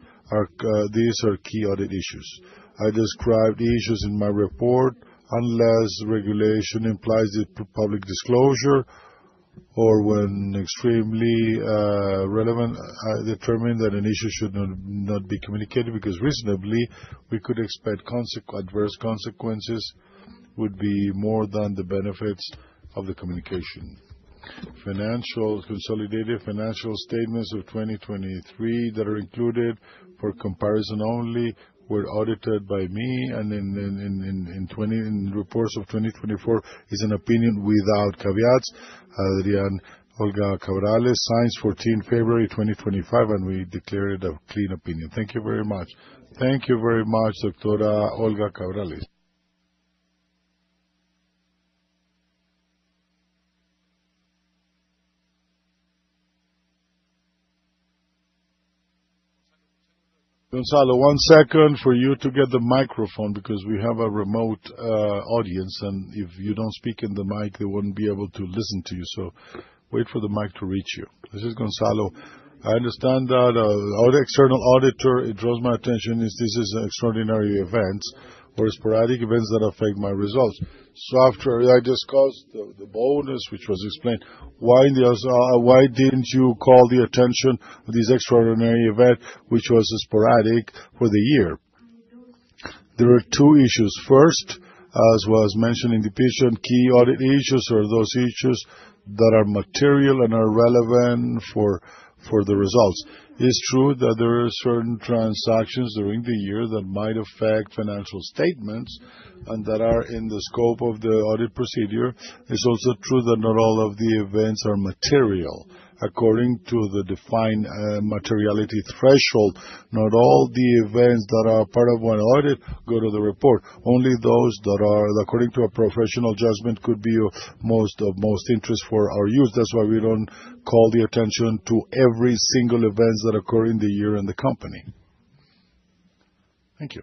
these are key audit issues. I described issues in my report unless regulation implies the public disclosure or when extremely relevant, I determined that an issue should not be communicated because reasonably, we could expect adverse consequences would be more than the benefits of the communication. Consolidated financial statements of 2023 that are included for comparison only were audited by me, and in reports of 2024 is an opinion without caveats. A. Olga Cabrales signs 14 February 2025, and we declared a clean opinion. Thank you very much. Thank you very much, Doctora Olga Cabrales. Gonzalo, one second for you to get the microphone because we have a remote audience, and if you don't speak in the mic, they won't be able to listen to you, so wait for the mic to reach you. This is Gonzalo. I understand that the external auditor, it draws my attention, is this an extraordinary event or sporadic events that affect my results. So after I discussed the bonus, which was explained, why didn't you call the attention of this extraordinary event, which was sporadic for the year? There are two issues. First, as was mentioned in the report, key audit issues are those issues that are material and are relevant for the results. It's true that there are certain transactions during the year that might affect financial statements and that are in the scope of the audit procedure. It's also true that not all of the events are material. According to the defined materiality threshold, not all the events that are part of one audit go to the report. Only those that are, according to a professional judgment, could be of most interest for our use. That's why we don't call the attention to every single event that occurred in the year in the company. Thank you.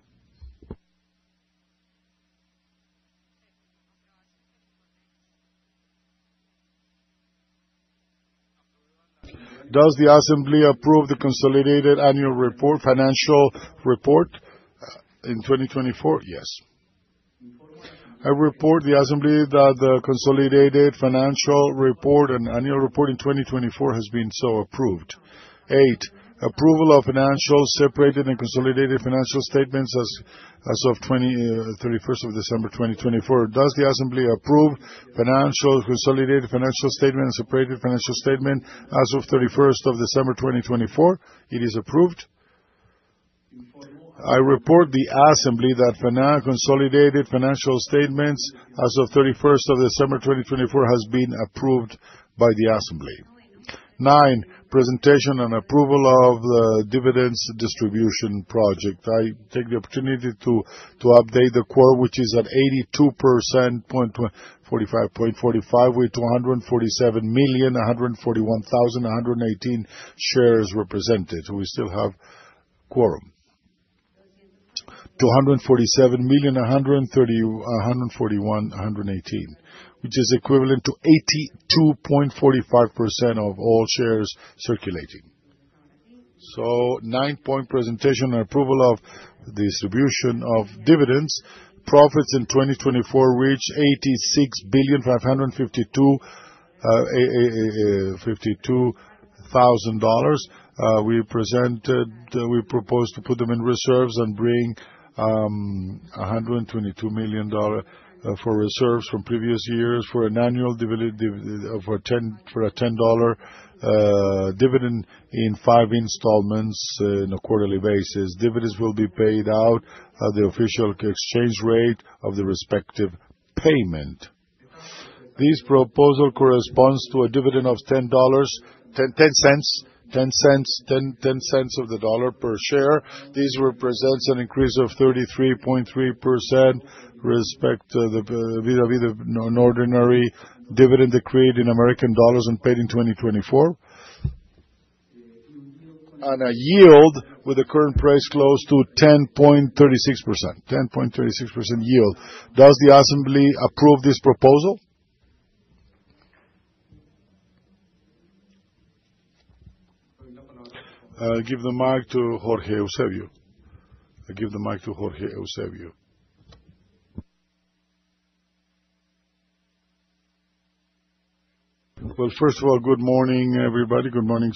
Does the assembly approve the consolidated annual report, financial report in 2024? Yes. I report the assembly that the consolidated financial report and annual report in 2024 has been so approved. Eight, approval of financial separated and consolidated financial statements as 31st of December, 2024. Does the assembly approve financial consolidated financial statement and separated financial statement as 31st of December, 2024? It is approved. I report to the assembly that consolidated financial statements as 31st of December, 2024, have been approved by the assembly. Nine, presentation and approval of the dividend distribution project. I take the opportunity to update the quorum, which is at 82.45%, with 247,141,118 shares represented. We still have quorum. 247,141,118, which is equivalent to 82.45% of all shares circulating. So, nine-point presentation and approval of distribution of dividends. Profits in 2024 reached $86,552,000. We proposed to put them in reserves and bring $122 million to reserves from previous years for an annual dividend of a $0.10 dividend in five installments on a quarterly basis. Dividends will be paid out at the official exchange rate of the respective payment. This proposal corresponds to a dividend of $0.10 per share. This represents an increase of 33.3% vis-à-vis the ordinary dividend decreed in American dollars and paid in 2024 on a yield with a current price close to 10.36%. 10.36% yield. Does the assembly approve this proposal? Give the mic to Jorge Eusebio. I give the mic to Jorge Eusebio. Well, first of all, good morning, everybody. Good morning,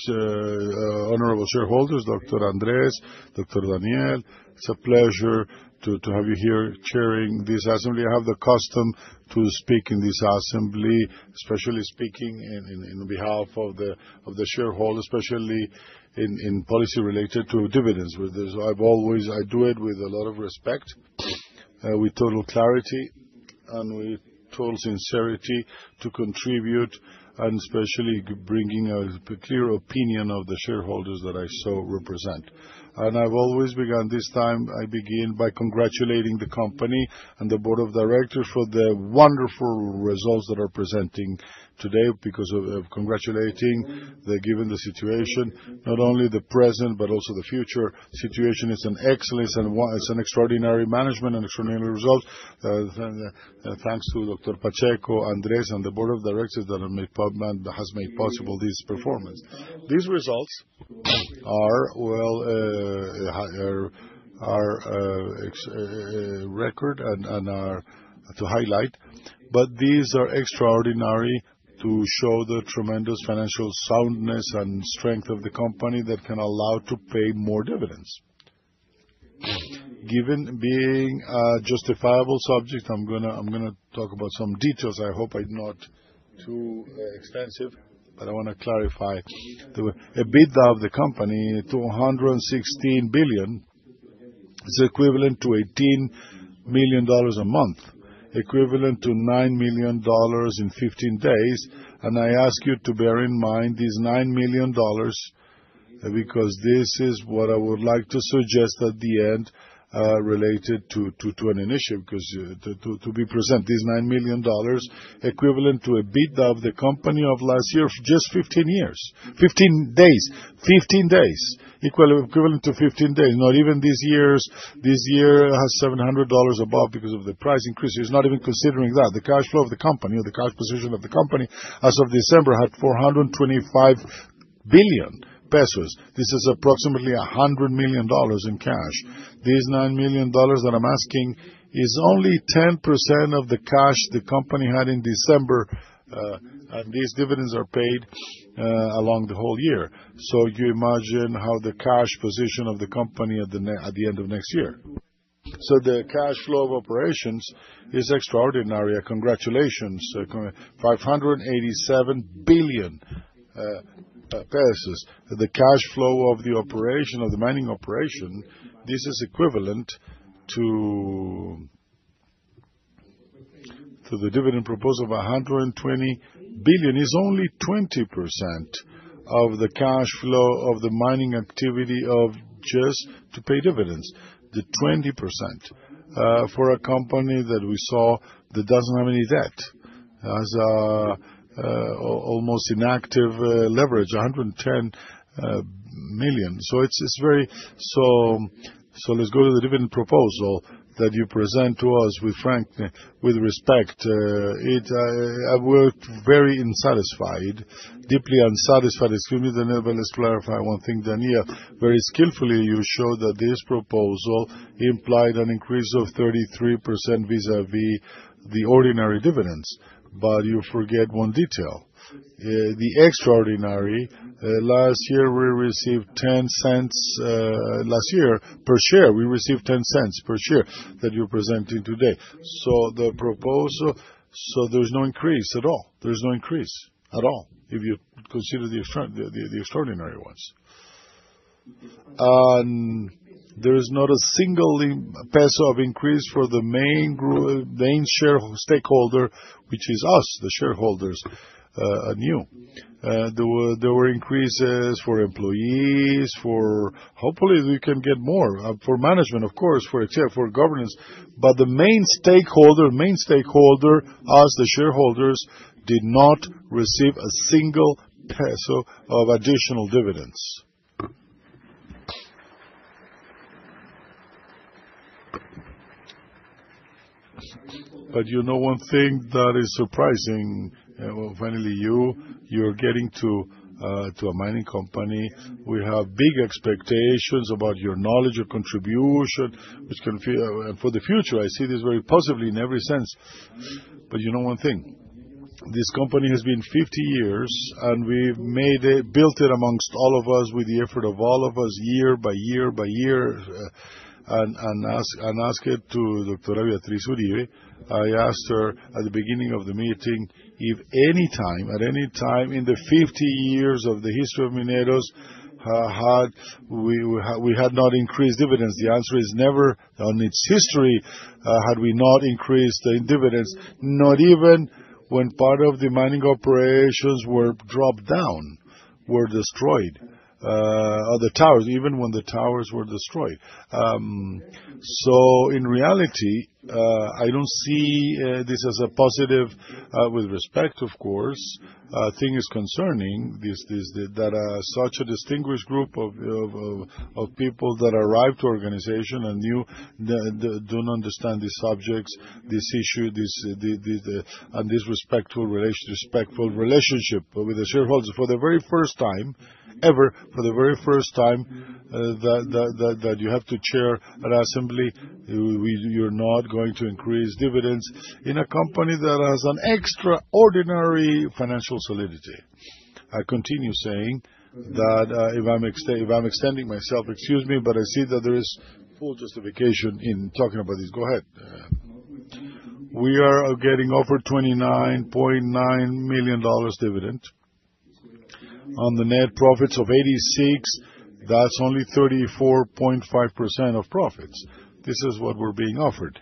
honorable shareholders, Doctor Andrés, Doctor Daniel. It's a pleasure to have you here chairing this assembly. I have the custom to speak in this assembly, especially speaking on behalf of the shareholders, especially in policy related to dividends. I do it with a lot of respect, with total clarity, and with total sincerity to contribute, and especially bringing a clear opinion of the shareholders that I so represent. I've always begun this time. I begin by congratulating the company and the board of directors for the wonderful results that are presenting today because of congratulating given the situation, not only the present but also the future situation. It's an excellence and it's an extraordinary management and extraordinary results. Thanks to Doctor Pacheco, Andrés, and the board of directors that has made possible this performance. These results are a record and are to highlight, but these are extraordinary to show the tremendous financial soundness and strength of the company that can allow to pay more dividends. Being a justifiable subject, I'm going to talk about some details. I hope I'm not too extensive, but I want to clarify a bit of the company. COP 216 billion is equivalent to $18 million a month, equivalent to $9 million in 15 days. I ask you to bear in mind these $9 million because this is what I would like to suggest at the end related to an initiative because to be present, these $9 million equivalent to a bit of the company of last year, just 15 days. 15 days, equivalent to 15 days. Not even this year. This year has $700 above because of the price increase. It's not even considering that. The cash flow of the company or the cash position of the company as of December had COP 425 billion. This is approximately $100 million in cash. These $9 million that I'm asking is only 10% of the cash the company had in December, and these dividends are paid along the whole year. You imagine how the cash position of the company at the end of next year. The cash flow of operations is extraordinary. Congratulations. COP 587 billion. The cash flow of the mining operation, this is equivalent to the dividend proposal of COP 120 billion. It's only 20% of the cash flow of the mining activity of just to pay dividends. The 20% for a company that we saw that doesn't have any debt, has almost inactive leverage, 110 million. So let's go to the dividend proposal that you present to us with respect. I was very dissatisfied, deeply unsatisfied. Excuse me, Daniel, but let's clarify one thing. Daniel, very skillfully, you showed that this proposal implied an increase of 33% vis-à-vis the ordinary dividends, but you forget one detail. The extraordinary, last year, we received $0.10 last year per share. We received $0.10 per share that you're presenting today. So there's no increase at all. There's no increase at all if you consider the extraordinary ones. There is not a single peso of increase for the main share stakeholder, which is us, the shareholders, anew. There were increases for employees. Hopefully, we can get more for management, of course, for governance. But the main stakeholder, us, the shareholders, did not receive a single peso of additional dividends. But you know one thing that is surprising. Finally, you're getting to a mining company. We have big expectations about your knowledge, your contribution, which can for the future. I see this very positively in every sense. But you know one thing. This company has been 50 years, and we built it amongst all of us with the effort of all of us year by year by year. And I ask it to Doctora Beatriz Uribe. I asked her at the beginning of the meeting if any time, at any time in the 50 years of the history of Mineros, we had not increased dividends. The answer is never. In its history, had we not increased dividends, not even when part of the mining operations were shut down, were destroyed, or the towers, even when the towers were destroyed. So in reality, I don't see this as a positive with respect, of course. The thing is concerning that such a distinguished group of people that arrived to the organization and knew, don't understand these subjects, this issue, and this respectful relationship with the shareholders. For the very first time ever, for the very first time that you have to chair an assembly, you're not going to increase dividends in a company that has an extraordinary financial solidity. I continue saying that if I'm extending myself, excuse me, but I see that there is full justification in talking about this. Go ahead. We are getting offered $29.9 million dividend on the net profits of 86. That's only 34.5% of profits. This is what we're being offered.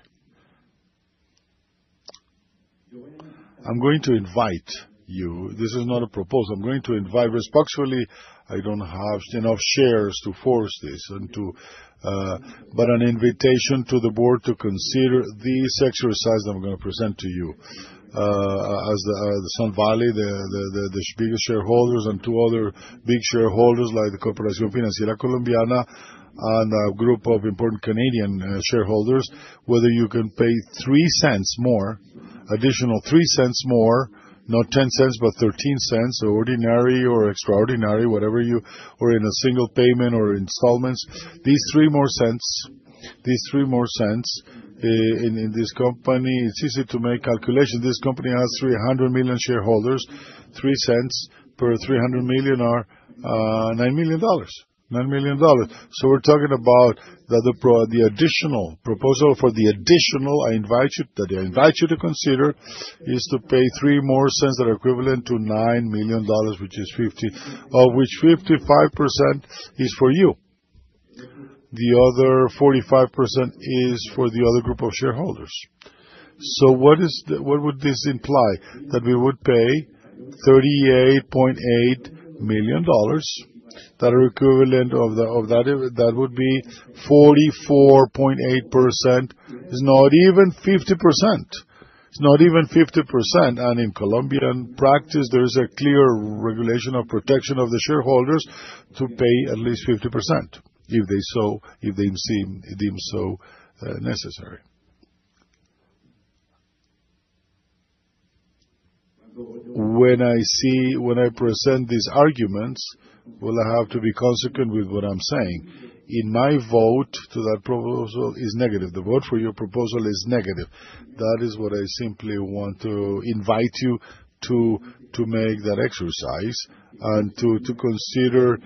I'm going to invite you. This is not a proposal. I'm going to invite respectfully. I don't have enough shares to force this, but an invitation to the board to consider these exercises that I'm going to present to you as the Sun Valley, the biggest shareholders, and two other big shareholders like the Corporación Financiera Colombiana and a group of important Canadian shareholders, whether you can pay $0.03 more, additional $0.03 more, not $0.10, but $0.13, ordinary or extraordinary, whatever you, or in a single payment or installments. These three more cents, these three more cents in this company, it's easy to make calculations. This company has 300 million shareholders. Three cents per 300 million are $9 million. $9 million. So we're talking about the additional proposal for the additional. I invite you to consider is to pay three more cents that are equivalent to $9 million, which is 50%, of which 55% is for you. The other 45% is for the other group of shareholders. So what would this imply? That we would pay $38.8 million that are equivalent of that would be 44.8%. It's not even 50%. It's not even 50%, and in Colombian practice, there is a clear regulation of protection of the shareholders to pay at least 50% if they seem so necessary. When I present these arguments, well, I have to be consequent with what I'm saying. In my vote to that proposal is negative. The vote for your proposal is negative. That is what I simply want to invite you to make that exercise and to consider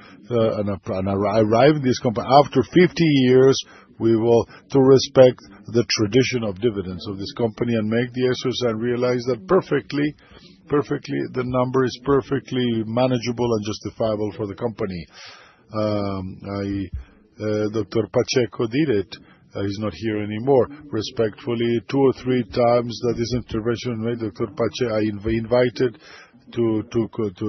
arriving at this company after 50 years to respect the tradition of dividends of this company and make the exercise and realize that perfectly, the number is perfectly manageable and justifiable for the company. Doctor Pacheco did it. He's not here anymore. Respectfully, two or three times that this intervention made, Doctor Pacheco, I invited to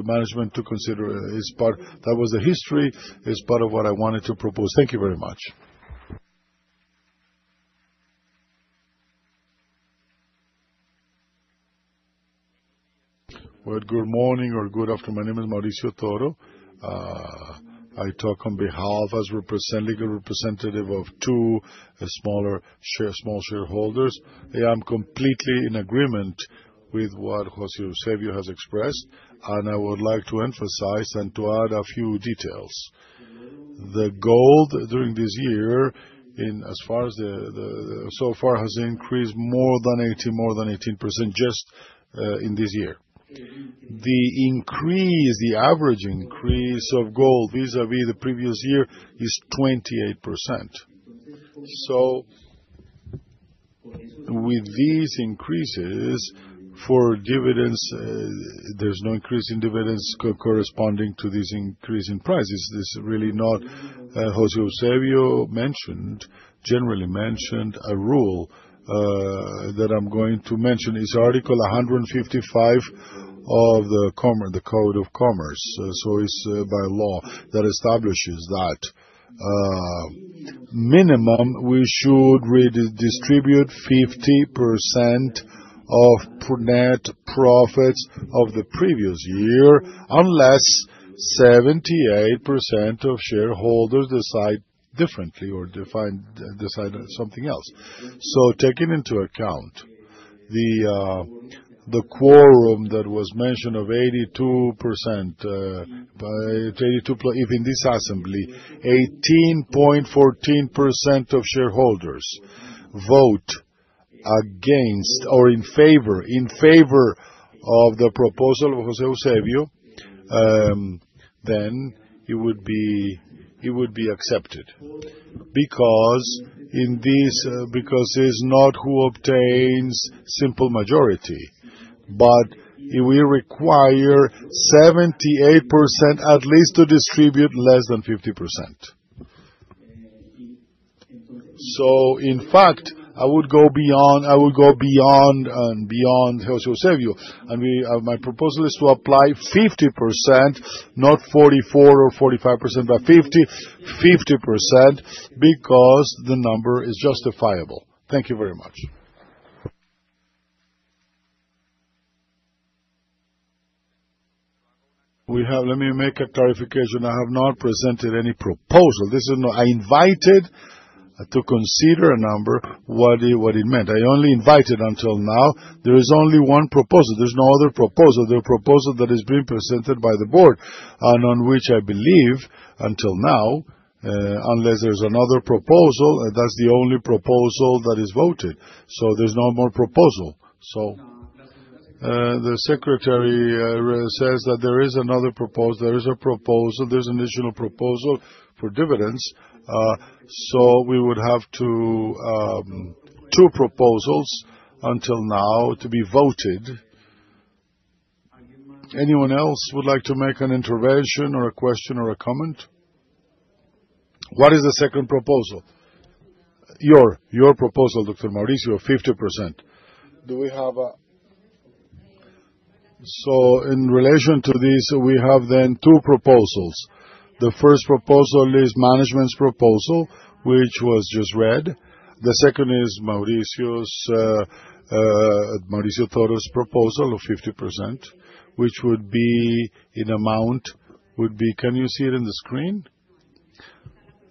management to consider his part. That was the history. It's part of what I wanted to propose. Thank you very much. Well, good morning or good afternoon. My name is Mauricio Toro. I talk on behalf of as legal representative of two small shareholders. I am completely in agreement with what Jorge Eusebio has expressed, and I would like to emphasize and to add a few details. The gold during this year, as far as so far, has increased more than 18% just in this year. The average increase of gold vis-à-vis the previous year is 28%. So with these increases for dividends, there's no increase in dividends corresponding to this increase in prices. This is really not Jorge Eusebio mentioned, generally mentioned a rule that I'm going to mention. It's Article 155 of the Code of Commerce. So it's by law that establishes that minimum we should redistribute 50% of net profits of the previous year unless 78% of shareholders decide differently or decide something else. So, taking into account the quorum that was mentioned of 82%, if in this assembly 18.14% of shareholders vote against or in favor of the proposal of Jorge Eusebio, then it would be accepted because it's not who obtains simple majority, but we require 78% at least to distribute less than 50%. So in fact, I would go beyond Jorge Eusebio. My proposal is to apply 50%, not 44 or 45%, but 50% because the number is justifiable. Thank you very much. Let me make a clarification. I have not presented any proposal. I invited to consider a number, what it meant. I only invited until now. There is only one proposal. There's no other proposal. The proposal that is being presented by the board and on which I believe until now, unless there's another proposal, that's the only proposal that is voted. So there's no more proposal. So the secretary says that there is another proposal. There is a proposal. There's an additional proposal for dividends. So we would have two proposals until now to be voted. Anyone else would like to make an intervention or a question or a comment? What is the second proposal? Your proposal, Doctor Mauricio, 50%. Do we have a? So in relation to this, we have then two proposals. The first proposal is management's proposal, which was just read. The second is Mauricio Toro's proposal of 50%, which would be in amount, would be. Can you see it in the screen?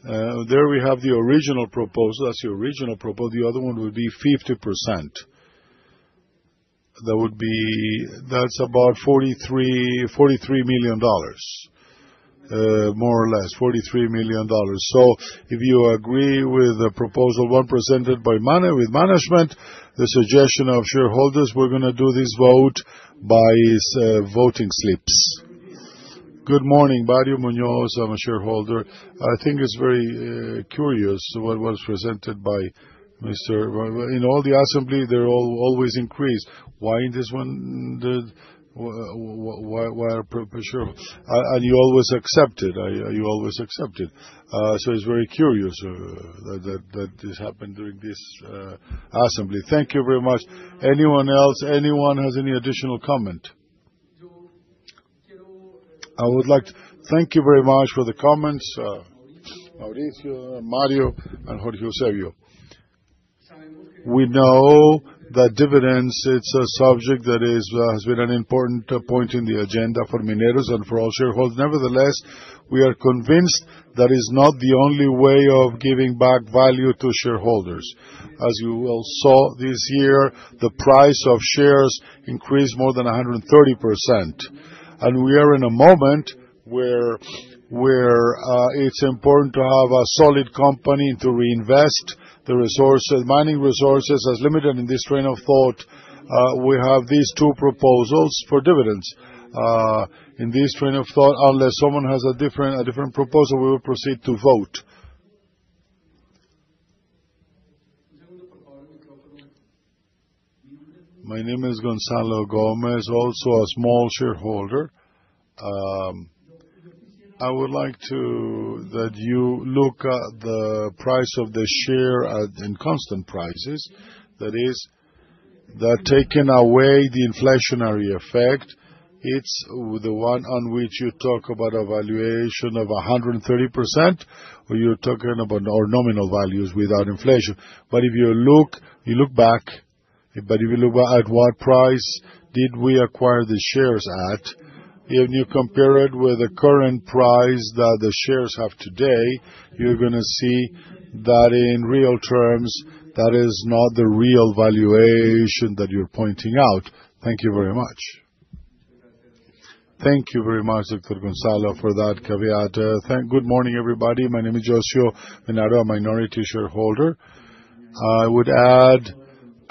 There we have the original proposal. That's the original proposal. The other one would be 50%. That's about $43 million, more or less, $43 million. So if you agree with the proposal presented with management, the suggestion of shareholders, we're going to do this vote by voting slips. Good morning. Mario Muñoz, I'm a shareholder. I think it's very curious what was presented by Mr. Andrés. In all the assemblies, they're always increased. Why in this one? And you always accepted. You always accepted. So it's very curious that this happened during this assembly. Thank you very much. Anyone else? Anyone has any additional comment? I would like to thank you very much for the comments. Mauricio, Mario, and Jorge Eusebio. We know that dividends, it's a subject that has been an important point in the agenda for Mineros and for all shareholders. Nevertheless, we are convinced that it's not the only way of giving back value to shareholders. As you all saw this year, the price of shares increased more than 130%. And we are in a moment where it's important to have a solid company and to reinvest the mining resources as limited. In this train of thought, we have these two proposals for dividends. In this train of thought, unless someone has a different proposal, we will proceed to vote. My name is Gonzalo Gómez, also a small shareholder. I would like that you look at the price of the share in constant prices. That is, taking away the inflationary effect, it's the one on which you talk about a valuation of 130% or you're talking about nominal values without inflation. But if you look at what price did we acquire the shares at, if you compare it with the current price that the shares have today, you're going to see that in real terms, that is not the real valuation that you're pointing out. Thank you very much. Thank you very much, Doctor Gonzalo, for that caveat. Good morning, everybody. My name is José U. Menardo, a minority shareholder. I would add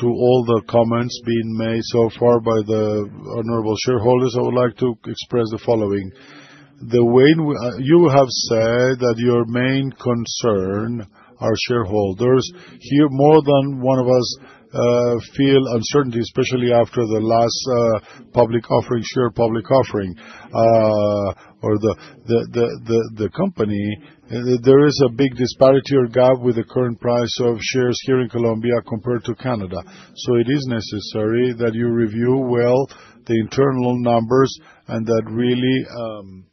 to all the comments being made so far by the honorable shareholders. I would like to express the following. You have said that your main concern are shareholders. Here, more than one of us feel uncertainty, especially after the last public offering, share public offering, or the company. There is a big disparity or gap with the current price of shares here in Colombia compared to Canada. So it is necessary that you review well the internal numbers and that really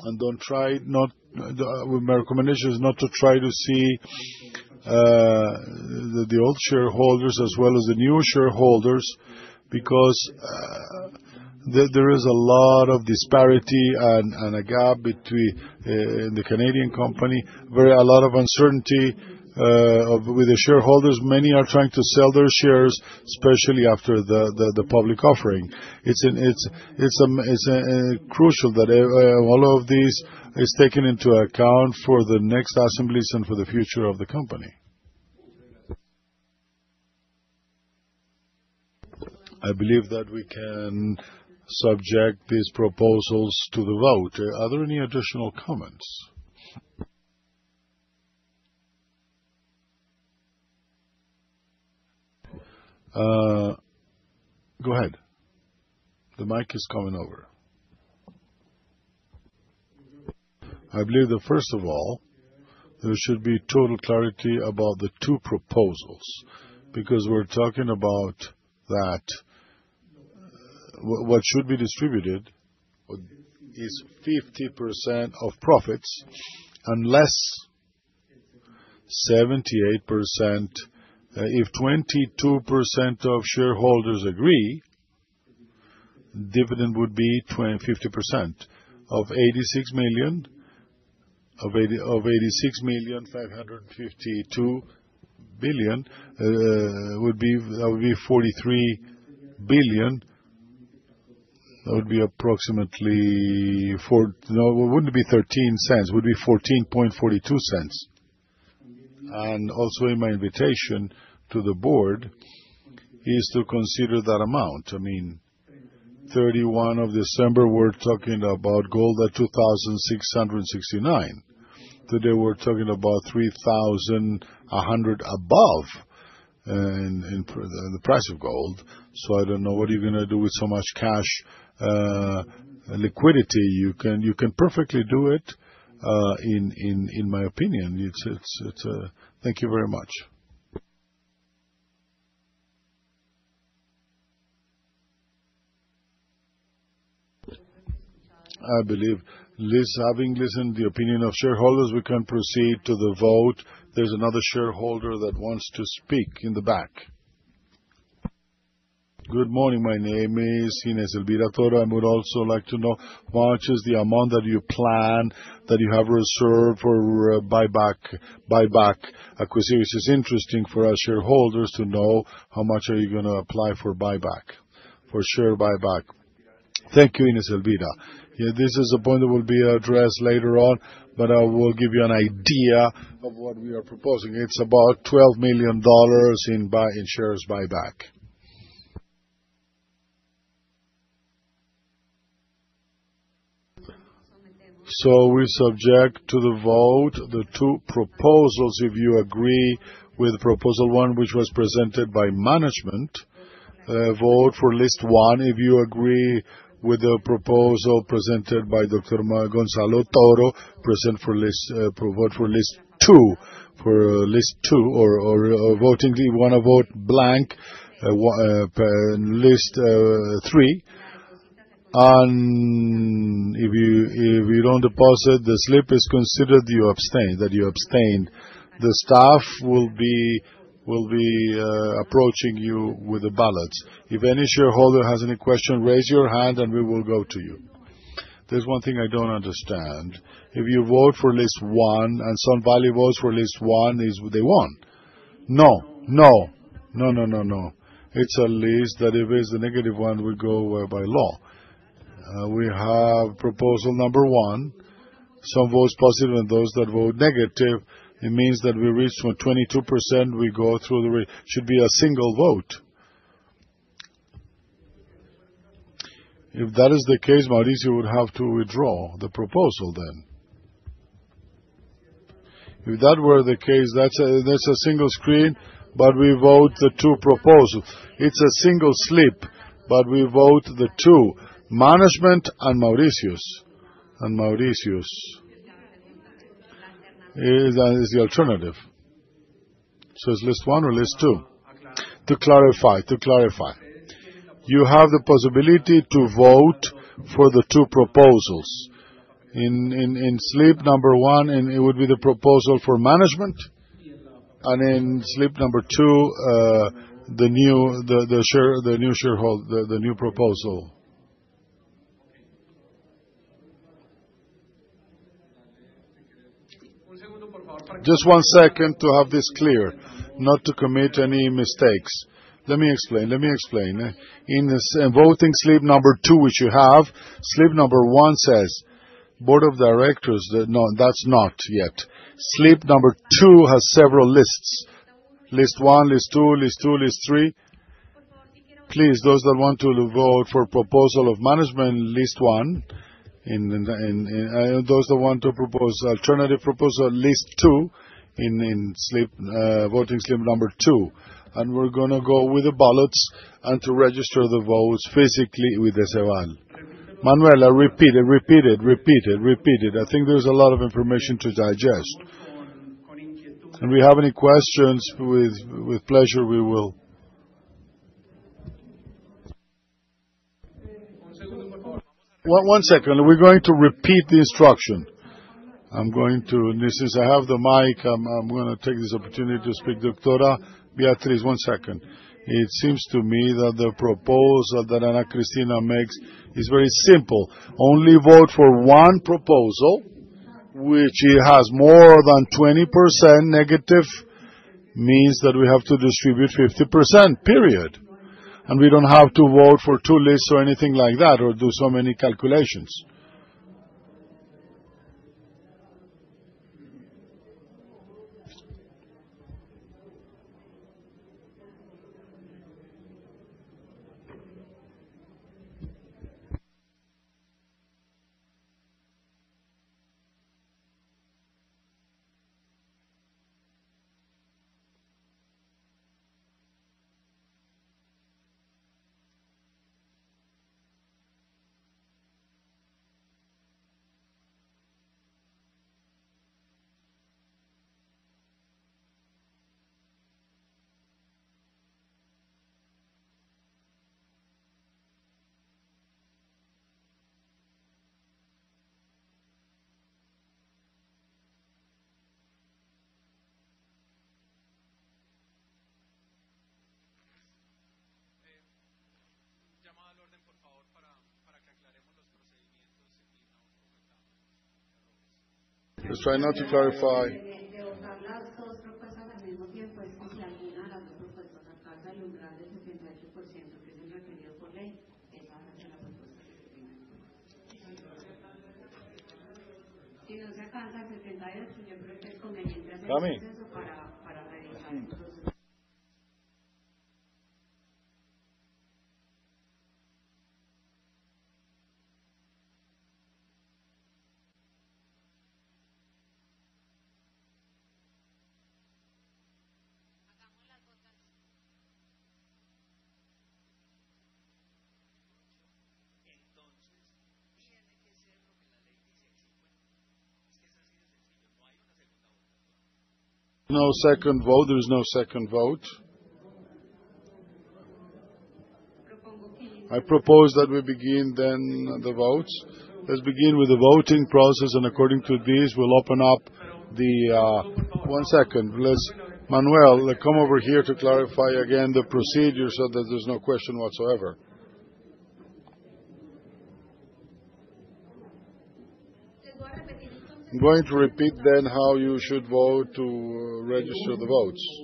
and don't try not my recommendation is not to try to see the old shareholders as well as the new shareholders because there is a lot of disparity and a gap between the Canadian company, a lot of uncertainty with the shareholders. Many are trying to sell their shares, especially after the public offering. It's crucial that all of this is taken into account for the next assemblies and for the future of the company. I believe that we can subject these proposals to the vote. Are there any additional comments? Go ahead. The mic is coming over. I believe that first of all, there should be total clarity about the two proposals because we're talking about that what should be distributed is 50% of profits unless 78% if 22% of shareholders agree. Dividend would be 50% of 86,552 million would be COP 43 billion. That would be approximately wouldn't be $0.13. It would be $0.1442. And also in my invitation to the board is to consider that amount. I mean, December 31, we're talking about gold at $2,669. Today, we're talking about $3,100 above the price of gold. So I don't know what are you going to do with so much cash liquidity. You can perfectly do it, in my opinion. Thank you very much. I believe having listened to the opinion of shareholders, we can proceed to the vote. There's another shareholder that wants to speak in the back. Good morning. My name is Inés Elvira Toro. I would also like to know how much is the amount that you plan that you have reserved for buyback acquisition. It's interesting for us shareholders to know how much are you going to apply for buyback, for share buyback. Thank you, Inés Elvira. This is a point that will be addressed later on, but I will give you an idea of what we are proposing. It's about $12 million in shares buyback. So, we subject to the vote the two proposals. If you agree with proposal one, which was presented by management, vote for list one. If you agree with the proposal presented by Doctor Gonzalo Toro, vote for list two. For list two or voting if you want to vote blank, list three. And if you don't deposit the slip, it's considered that you abstained. The staff will be approaching you with the ballots. If any shareholder has any question, raise your hand and we will go to you. There's one thing I don't understand. If you vote for list one and some value votes for list one, is they won? No. No. No, no, no, no. It's a list that if it's a negative one, we go by law. We have proposal number one. Some votes positive and those that vote negative. It means that we reached 22%. We go through there should be a single vote. If that is the case, Mauricio would have to withdraw the proposal then. If that were the case, that's a single screen, but we vote the two proposals. It's a single slip, but we vote the two. Management and Mauricio. And Mauricio is the alternative. So it's list one or list two? To clarify. You have the possibility to vote for the two proposals. In slip number one, it would be the proposal for management. And in slip number two, the new shareholder, the new proposal. Just one second to have this clear, not to commit any mistakes. Let me explain. In voting slip number two, which you have, slip number one says, "Board of Directors." No, that's not yet. Slip number two has several lists. List one, list two, list three. Please, those that want to vote for proposal of management, list one. Those that want to propose alternative proposal, list two in voting slip number two. And we're going to go with the ballots and to register the votes physically with the CEVAL Manuel, I repeat it. Repeat it. I think there's a lot of information to digest. And we have any questions, with pleasure, we will. One second. We're going to repeat the instruction. I'm going to, since I have the mic, I'm going to take this opportunity to speak to Doctora Beatriz. One second. It seems to me that the proposal that Ana Cristina makes is very simple. Only vote for one proposal, which has more than 20% negative, means that we have to distribute 50%, period. And we don't have to vote for two lists or anything like that or do so many calculations. Llamada al orden, por favor, para que aclaremos los procedimientos y no cometamos errores. Try not to clarify. De votar las dos propuestas al mismo tiempo. Es que si alguna de las dos propuestas alcanza el umbral de 78%, que es el requerido por ley, esa va a ser la propuesta que se tiene en cuenta. Si no se alcanza el 78, yo creo que es conveniente hacer un proceso para revisar los. Hagamos las votos. Entonces. Tiene que ser lo que la ley dice en su cuenta. Es que es así de sencillo. No hay una segunda votación. No second vote. There is no second vote. I propose that we begin then the votes. Let's begin with the voting process, and according to this, we'll open up the one second. Manuel, come over here to clarify again the procedure so that there's no question whatsoever. I'm going to repeat then how you should vote to register the votes.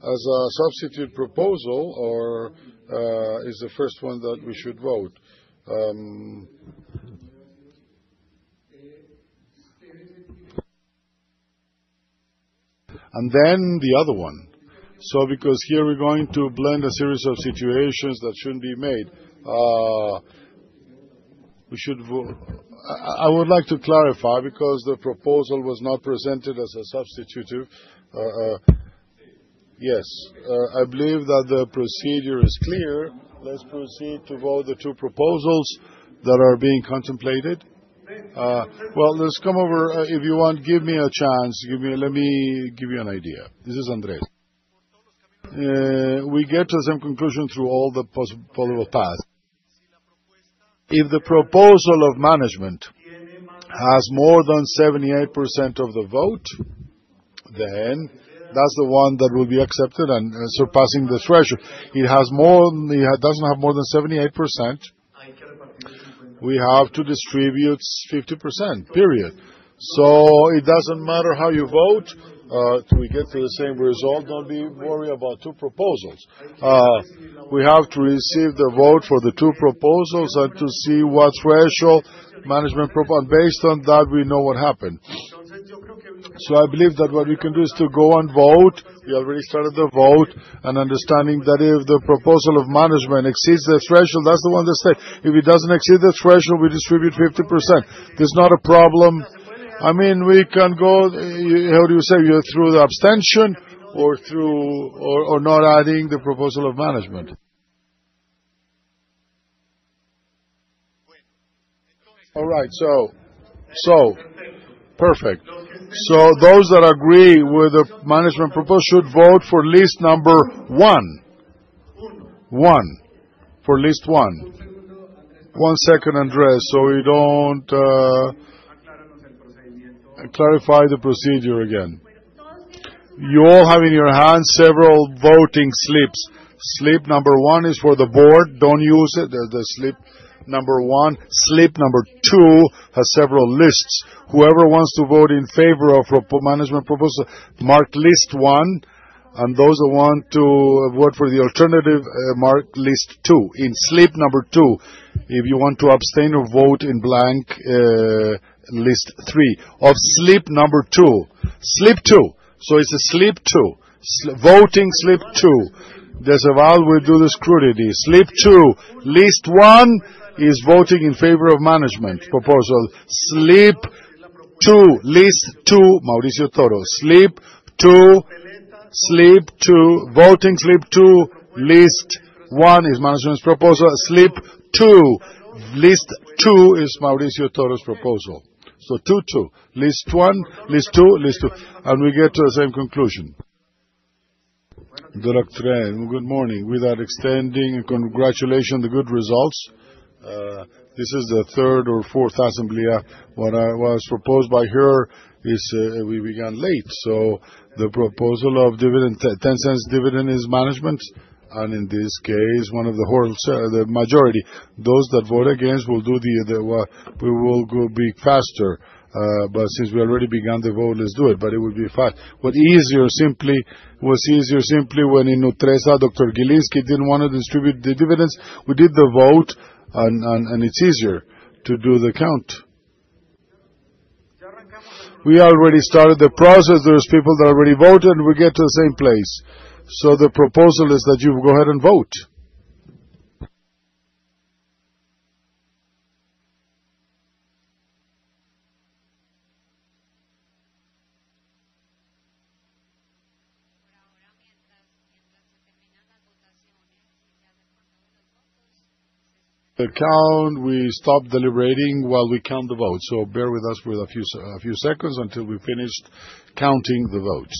As a substitute proposal or is the first one that we should vote? And then the other one. Because here we're going to blend a series of situations that shouldn't be made. I would like to clarify because the proposal was not presented as a substitutive. Yes. I believe that the procedure is clear. Let's proceed to vote the two proposals that are being contemplated. Well, let's come over. If you want, give me a chance. Let me give you an idea. This is Andrés. We get to some conclusion through all the possible paths. If the proposal of management has more than 78% of the vote, then that's the one that will be accepted and surpassing the threshold. It doesn't have more than 78%. We have to distribute 50%, period. So it doesn't matter how you vote. We get to the same result. Don't be worried about two proposals. We have to receive the vote for the two proposals and to see what threshold management proposal. And based on that, we know what happened. So I believe that what we can do is to go and vote. We already started the vote and understanding that if the proposal of management exceeds the threshold, that's the one that says. If it doesn't exceed the threshold, we distribute 50%. There's not a problem. I mean, we can go how do you say? Through the abstention or not adding the proposal of management. All right. So perfect. So those that agree with the management proposal should vote for list number one. One. For list one. One second, Andrés. So we don't clarify the procedure again. You all have in your hands several voting slips. Slip number one is for the board. Don't use it. Slip number two has several lists. Whoever wants to vote in favor of management proposal, mark list one, and those that want to vote for the alternative, mark list two in slip number two. If you want to abstain or vote in blank, list three of slip number two. Voting slip two. The CEVAL will do the scrutiny. List one is voting in favor of management proposal. List two. Mauricio Toro. Voting slip two. List one is management's proposal. List two is Mauricio Toro's proposal. So two, two. List one. List two, and we get to the same conclusion. Good morning. Without extending, congratulations on the good results. This is the third or fourth assembly. What was proposed by her is we began late. So the proposal of $0.10 dividend is management. And in this case, one of the majority. Those that vote against will do. We will be faster. But since we already began the vote, let's do it. But it would be easier simply when in Nutresa, Doctor Gilinski didn't want to distribute the dividends. We did the vote, and it's easier to do the count. We already started the process. There are people that already voted, and we get to the same place. So the proposal is that you go ahead and vote. The count, we stop deliberating while we count the votes. So bear with us for a few seconds until we finished counting the votes.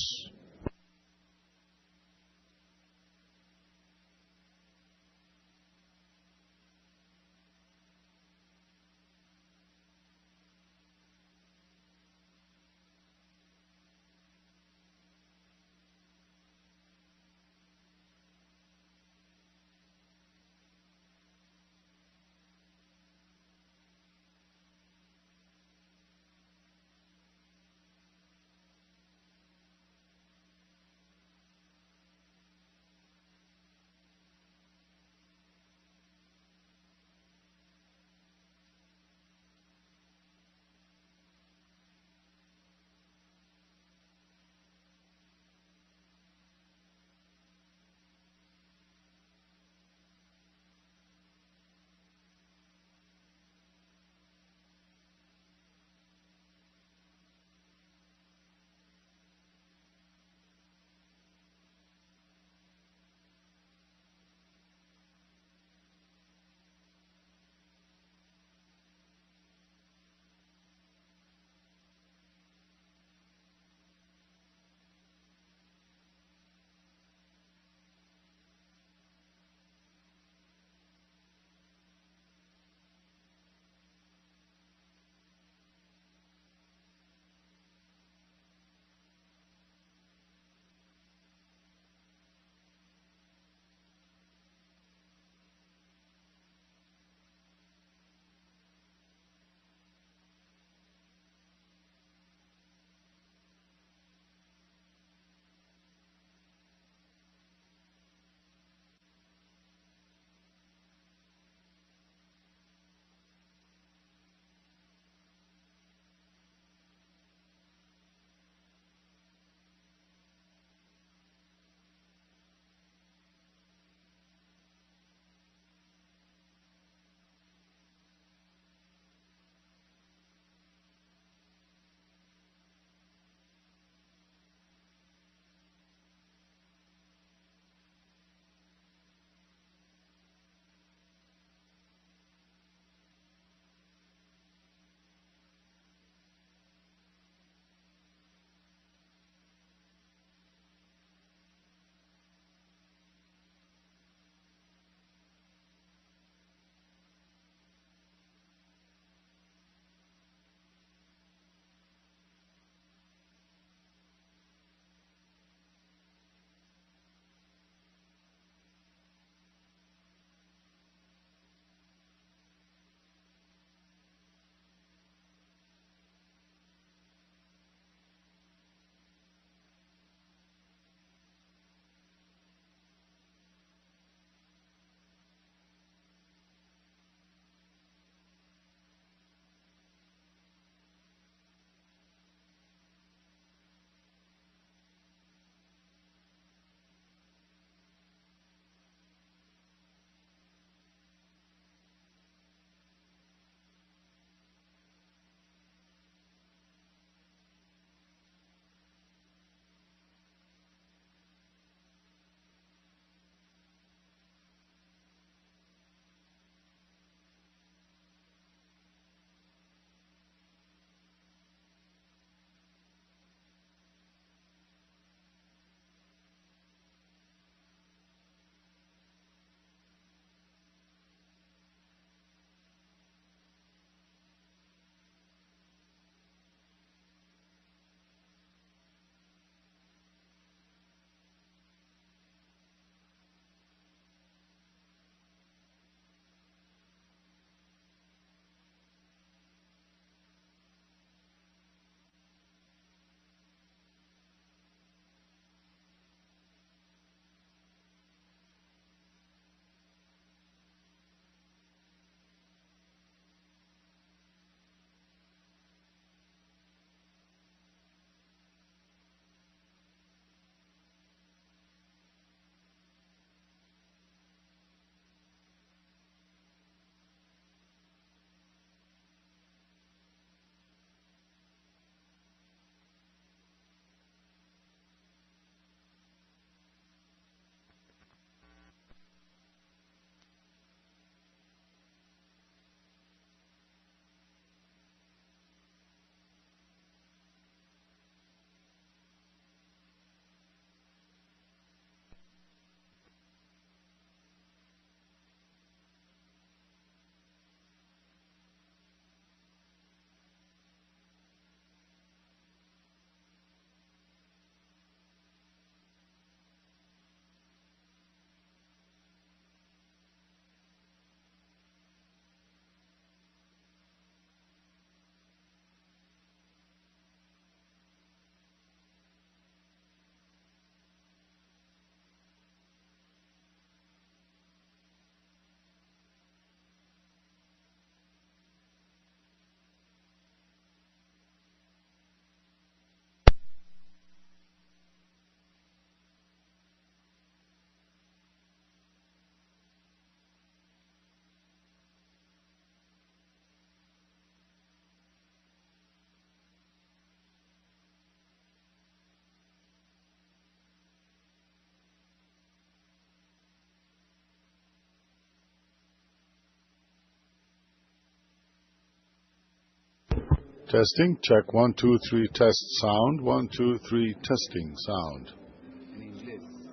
Testing. Check, one, two, three, test sound. One, two, three, testing sound.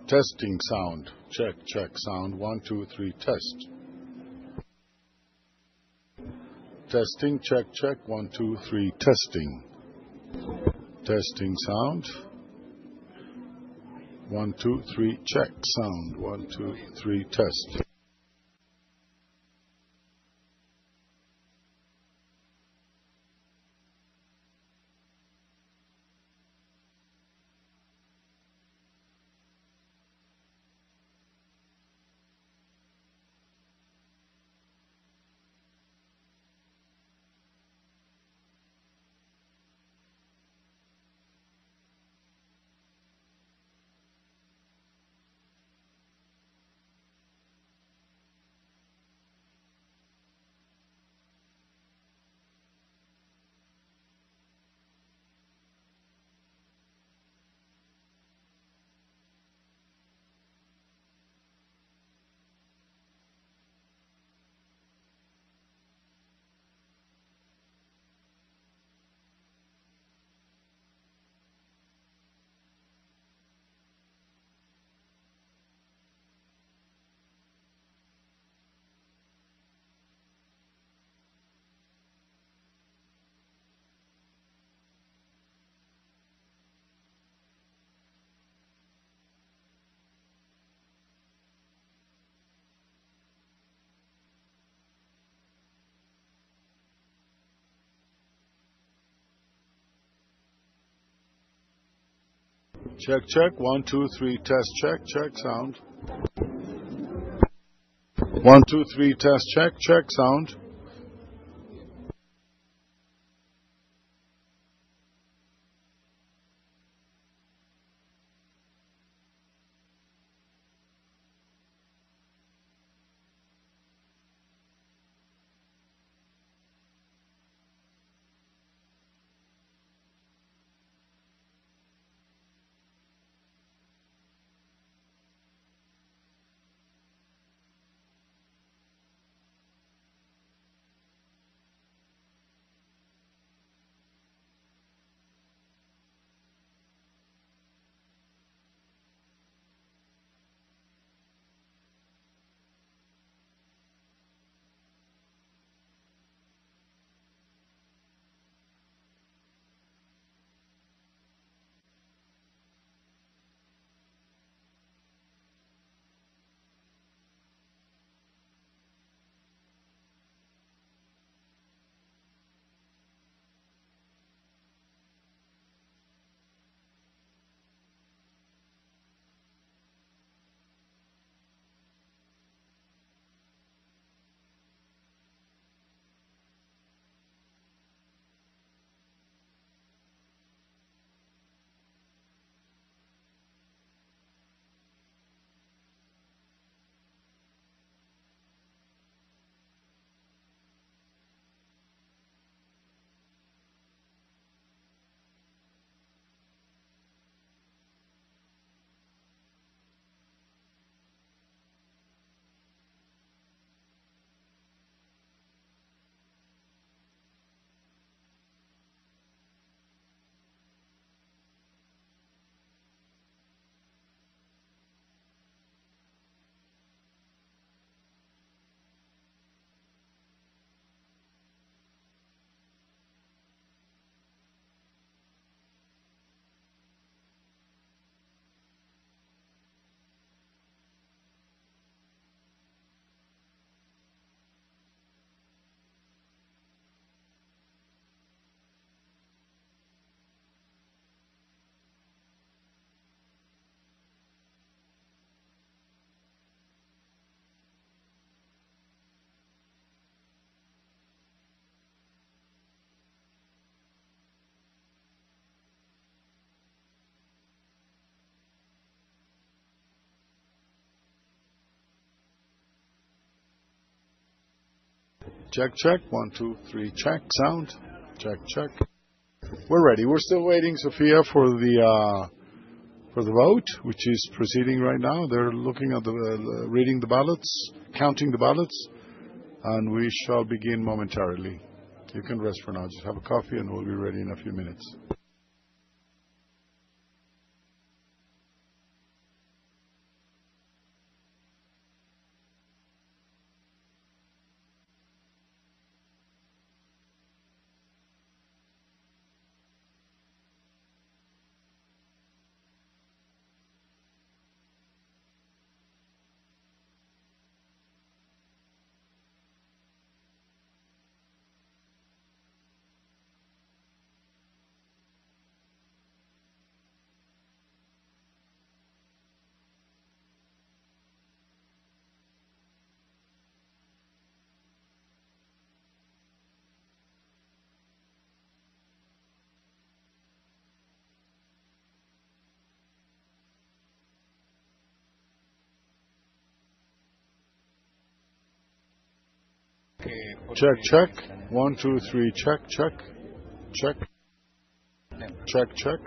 Testing sound. Check, check sound. One, two, three, test. Testing, check, check. One, two, three, testing. Testing sound. One, two, three, check sound. One, two, three, test. Check, check. One, two, three, test. Check, check sound. One, two, three, test. Check, check sound. Check, check. One, two, three, check sound. Check, check. We're ready. We're still waiting, Sofía, for the vote, which is proceeding right now. They're looking at the reading the ballots, counting the ballots. And we shall begin momentarily. You can rest for now. Just have a coffee, and we'll be ready in a few minutes. Check, check. One, two, three, check, check. Check, check.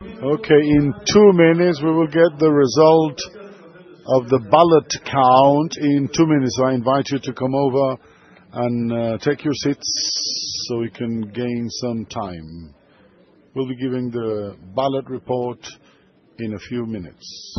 In. Okay, in two minutes we will get the result of the ballot count in two minutes. So I invite you to come over and take your seats so we can gain some time. We'll be giving the ballot report in a few minutes.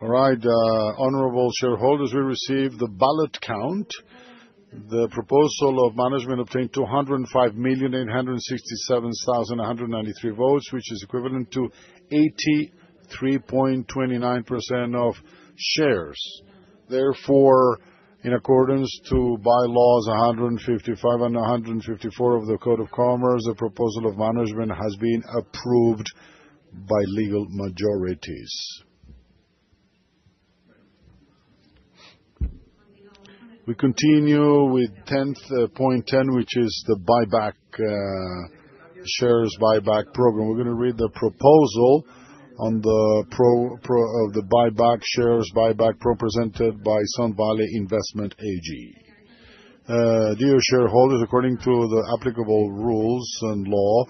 All right, honorable shareholders, we receive the ballot count. The proposal of management obtained 205,867,193 votes, which is equivalent to 83.29% of shares. Therefore, in accordance to bylaws 155 and 154 of the Code of Commerce, the proposal of management has been approved by legal majorities. We continue with 10.10, which is the buyback, shares buyback program. We're going to read the proposal on the buyback shares buyback proposal presented by Sun Valley Investments AG. Dear shareholders, according to the applicable rules and law,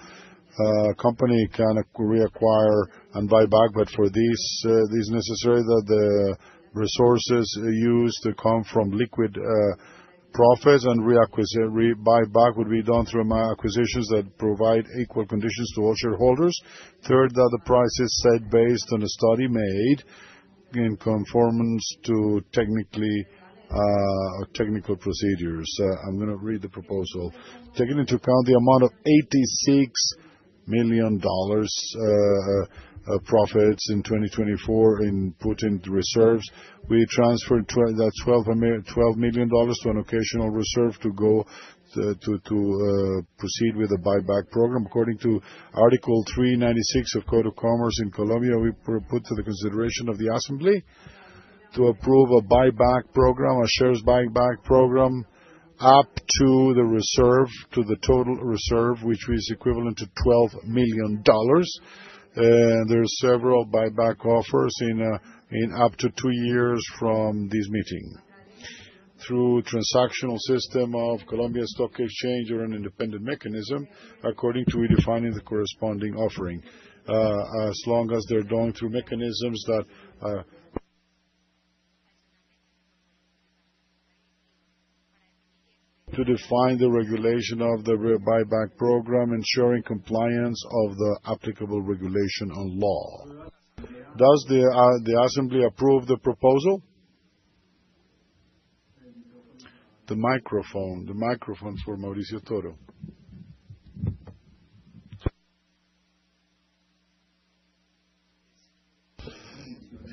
a company can reacquire and buy back, but for this, it is necessary that the resources used to come from liquid profits and reacquisition, rebuy back would be done through acquisitions that provide equal conditions to all shareholders. Third, that the price is set based on a study made in conformance to technical procedures. I'm going to read the proposal. Taking into account the amount of $86 million profits in 2024 put in reserves, we transferred that $12 million to an occasional reserve to go to proceed with a buyback program. According to Article 396 of the Code of Commerce in Colombia, we put to the consideration of the assembly to approve a buyback program, a shares buyback program up to the reserve, to the total reserve, which is equivalent to $12 million. There are several buyback offers in up to two years from this meeting. Through transactional system of Colombia Stock Exchange or an independent mechanism, according to the regulations defining the corresponding offering. As long as they're done through mechanisms that define the regulation of the buyback program, ensuring compliance with the applicable regulation and law. Does the assembly approve the proposal? The microphone, the microphone for Mauricio Toro.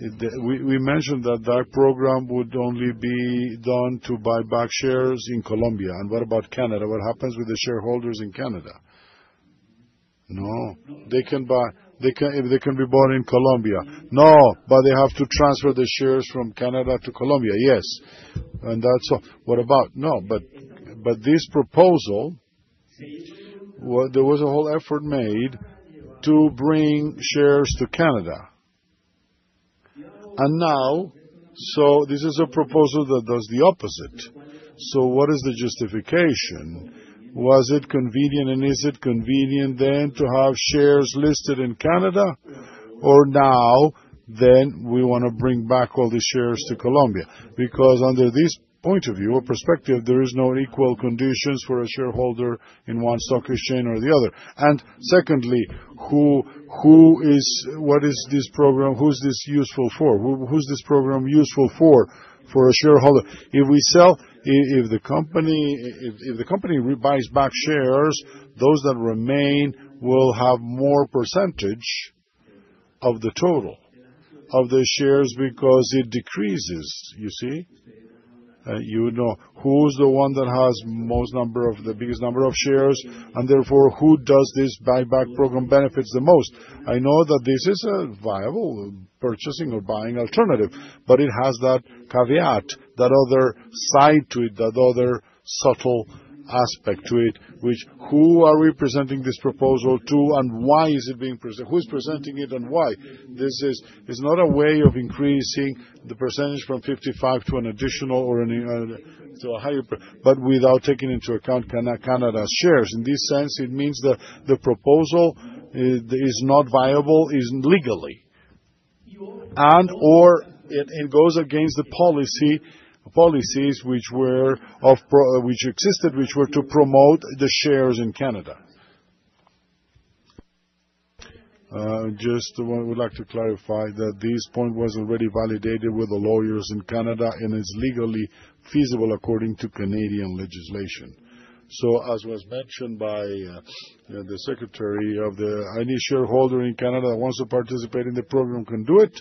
We mentioned that that program would only be done to buy back shares in Colombia. And what about Canada? What happens with the shareholders in Canada? No. They can buy if they can be bought in Colombia. No, but they have to transfer the shares from Canada to Colombia. Yes. And that's all. What about? No, but this proposal, there was a whole effort made to bring shares to Canada. And now, so this is a proposal that does the opposite. So what is the justification? Was it convenient, and is it convenient then to have shares listed in Canada? Or now, then we want to bring back all the shares to Colombia? Because under this point of view or perspective, there are no equal conditions for a shareholder in one stock exchange or the other. Secondly, what is this program? Who's this useful for? Who's this program useful for? For a shareholder. If we sell, if the company buys back shares, those that remain will have more percentage of the total of the shares because it decreases, you see? You would know who's the one that has the biggest number of shares, and therefore who does this buyback program benefits the most. I know that this is a viable purchasing or buying alternative, but it has that caveat, that other side to it, that other subtle aspect to it, which who are we presenting this proposal to and why is it being presented? Who's presenting it and why? This is not a way of increasing the percentage from 55 to an additional or to a higher percentage, but without taking into account Canada's shares. In this sense, it means that the proposal is not viable legally. And/or it goes against the policies which existed, which were to promote the shares in Canada. Just would like to clarify that this point was already validated with the lawyers in Canada, and it's legally feasible according to Canadian legislation. So, as was mentioned by the secretary, that any shareholder in Canada that wants to participate in the program can do it,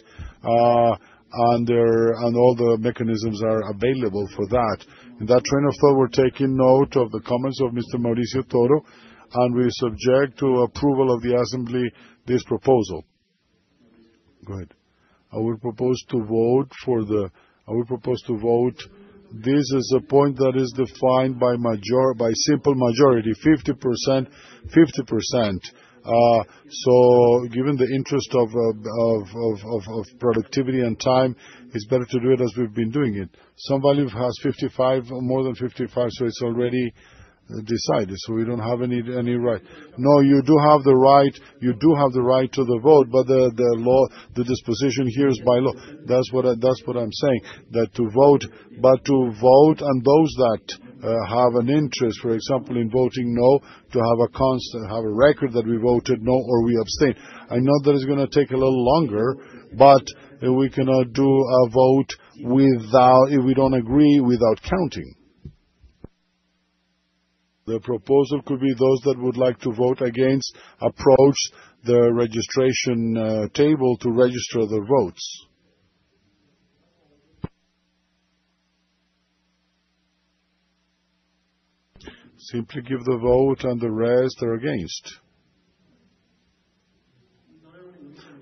and all the mechanisms are available for that. In that train of thought, we're taking note of the comments of Mr. Mauricio Toro, and we subject to approval of the assembly this proposal. Go ahead. I would propose to vote for the. This is a point that is defined by simple majority, 50%, 50%. Given the interest of productivity and time, it's better to do it as we've been doing it. Sun Valley has more than 55, so it's already decided. So we don't have any right. No, you do have the right. You do have the right to the vote, but the disposition here is by law. That's what I'm saying, that to vote, but to vote on those that have an interest, for example, in voting no, to have a record that we voted no or we abstain. I know that it's going to take a little longer, but we cannot do a vote if we don't agree without counting. The proposal could be those that would like to vote against approach the registration table to register the votes. Simply give the vote and the rest are against.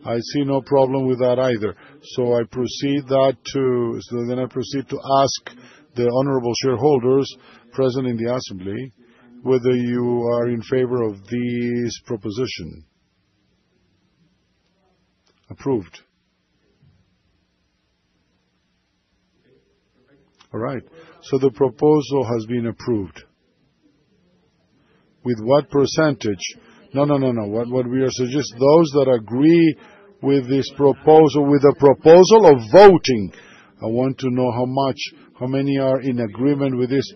I see no problem with that either. So then I proceed to ask the honorable shareholders present in the assembly whether you are in favor of this proposition. Approved. All right. So the proposal has been approved. With what percentage? No, no, no, no. What we are suggesting, those that agree with this proposal, with the proposal of voting, I want to know how many are in agreement with this.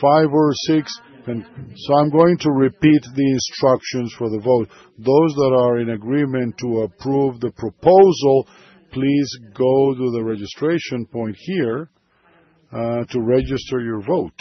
Five or six? So I'm going to repeat the instructions for the vote. Those that are in agreement to approve the proposal, please go to the registration point here to register your vote.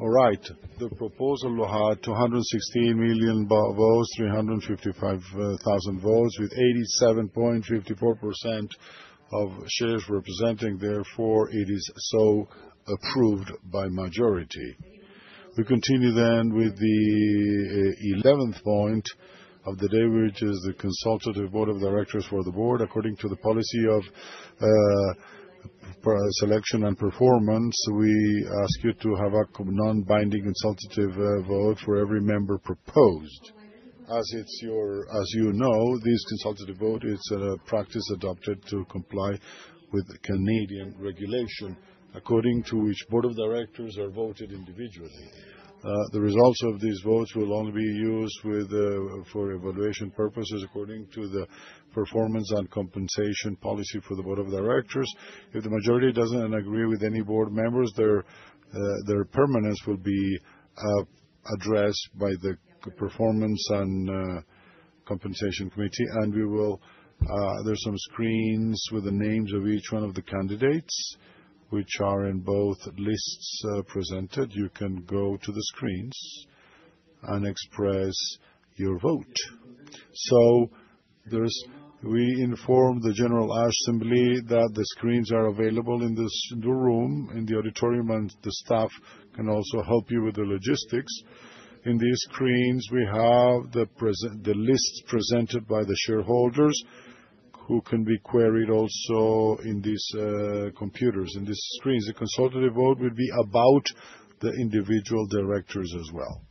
All right. The proposal had 216 million votes, 355,000 votes, with 87.54% of shares representing. Therefore, it is so approved by majority. We continue then with the 11th point of the day, which is the consultative board of directors for the board. According to the policy of selection and performance, we ask you to have a non-binding consultative vote for every member proposed. As you know, this consultative vote is a practice adopted to comply with Canadian regulation, according to which board of directors are voted individually. The results of these votes will only be used for evaluation purposes according to the performance and compensation policy for the board of directors. If the majority doesn't agree with any board members, their permanence will be addressed by the performance and compensation committee. There are some screens with the names of each one of the candidates, which are in both lists presented. You can go to the screens and express your vote. We inform the general assembly that the screens are available in the room, in the auditorium, and the staff can also help you with the logistics. In these screens, we have the lists presented by the shareholders, who can be queried also in these computers. In these screens, the consultative vote will be about the individual directors as well.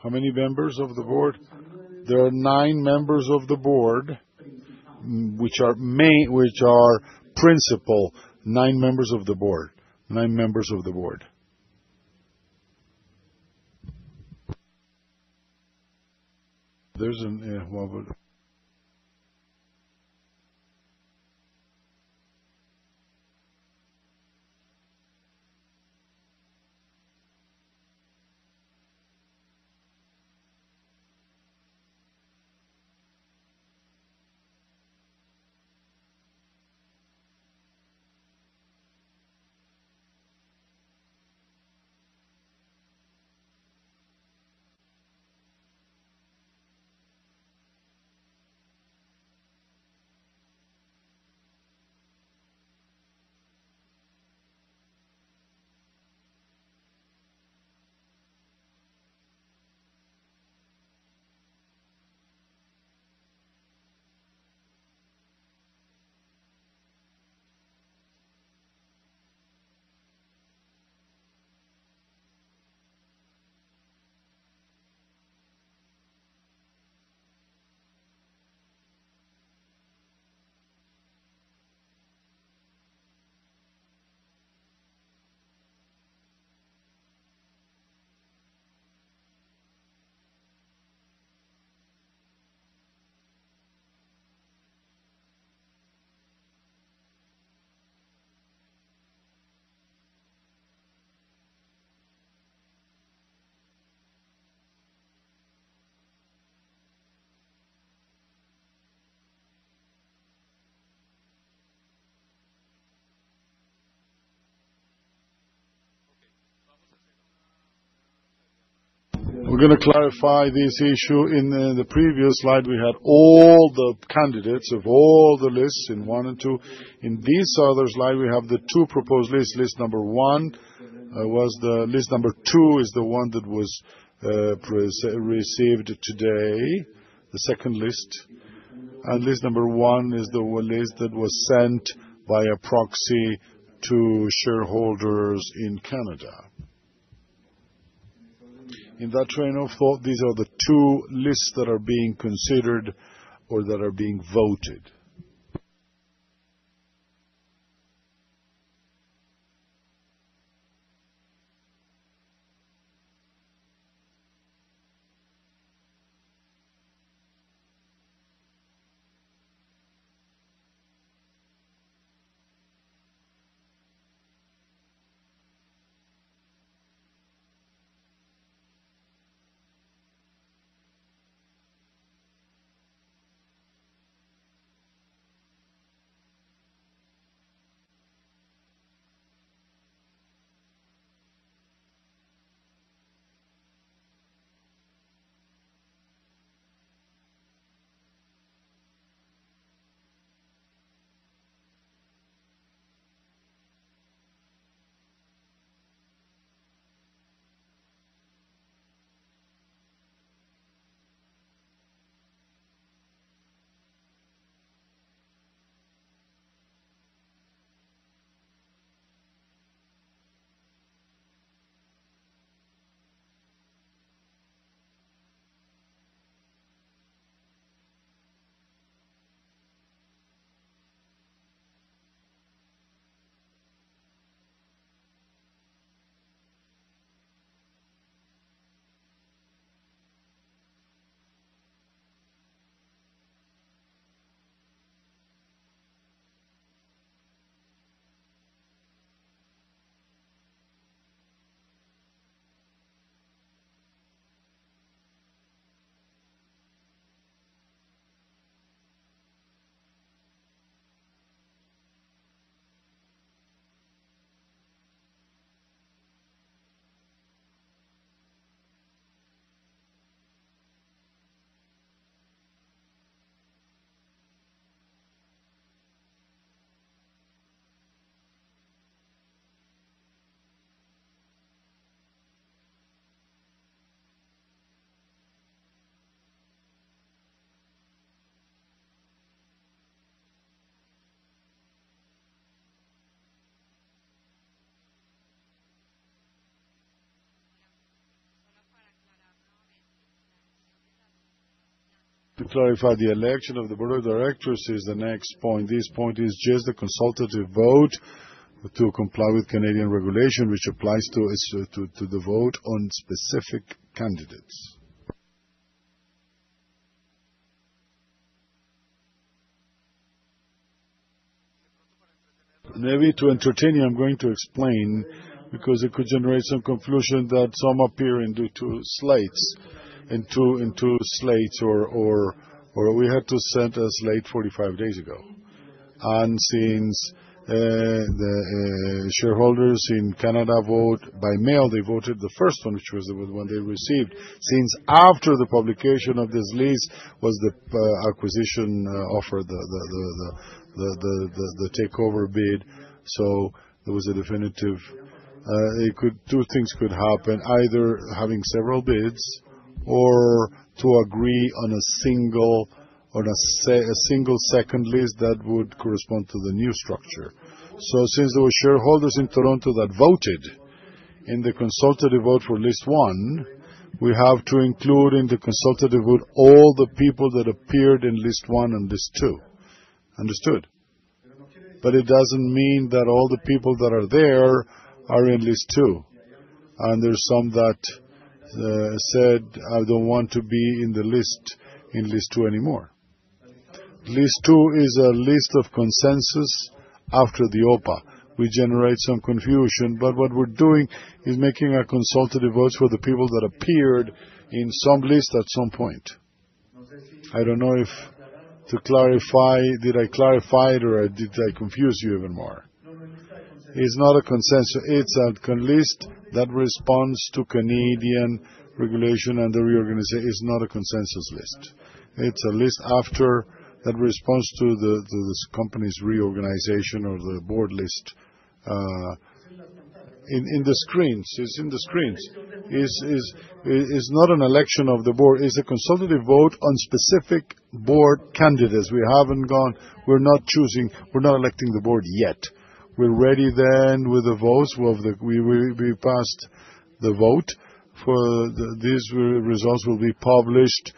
How many members of the board? There are nine members of the board, which are principal. Okay. Vamos a hacer una pregunta. We're going to clarify this issue. In the previous slide, we had all the candidates of all the lists in one and two. In this other slide, we have the two proposed lists. List number one was the list. Number two is the one that was received today, the second list. And list number one is the list that was sent by a proxy to shareholders in Canada. In that train of thought, these are the two lists that are being considered or that are being voted. Ya. Solo para aclarar nuevamente la elección de las personas que han sido. To clarify, the election of the board of directors is the next point. This point is just the consultative vote to comply with Canadian regulation, which applies to the vote on specific candidates. Anyway, to entertain you, I'm going to explain, because it could generate some confusion that some appearing due to slates, in two slates, or we had to send a slate 45 days ago, and since the shareholders in Canada vote by mail, they voted the first one, which was the one they received. Since after the publication of this list was the acquisition offer, the takeover bid, so there was definitely two things could happen. Either having several bids or to agree on a single second list that would correspond to the new structure. So since there were shareholders in Toronto that voted in the consultative vote for list one, we have to include in the consultative vote all the people that appeared in list one and list two. Understood? But it doesn't mean that all the people that are there are in list two. And there's some that said, "I don't want to be in the list two anymore." List two is a list of consensus after the OPA. We generate some confusion, but what we're doing is making a consultative vote for the people that appeared in some list at some point. I don't know if to clarify, did I clarify it or did I confuse you even more? It's not a consensus. It's a list that responds to Canadian regulation and the reorganization. It's not a consensus list. It's a list after that responds to this company's reorganization or the board list. In the screens. It's in the screens. It's not an election of the board. It's a consultative vote on specific board candidates. We haven't gone. We're not choosing. We're not electing the board yet. We're ready then with the votes. We passed the vote. These results will be published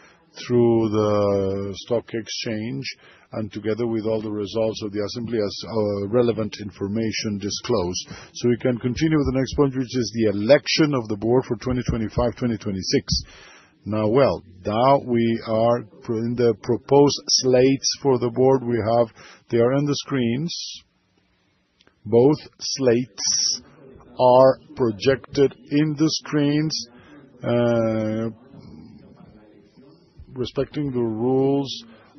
through the stock exchange and together with all the results of the assembly as relevant information disclosed. So we can continue with the next point, which is the election of the board for 2025-2026. Now, well, now we are in the proposed slates for the board. They are in the screens. Both slates are projected in the screens. Respecting the rules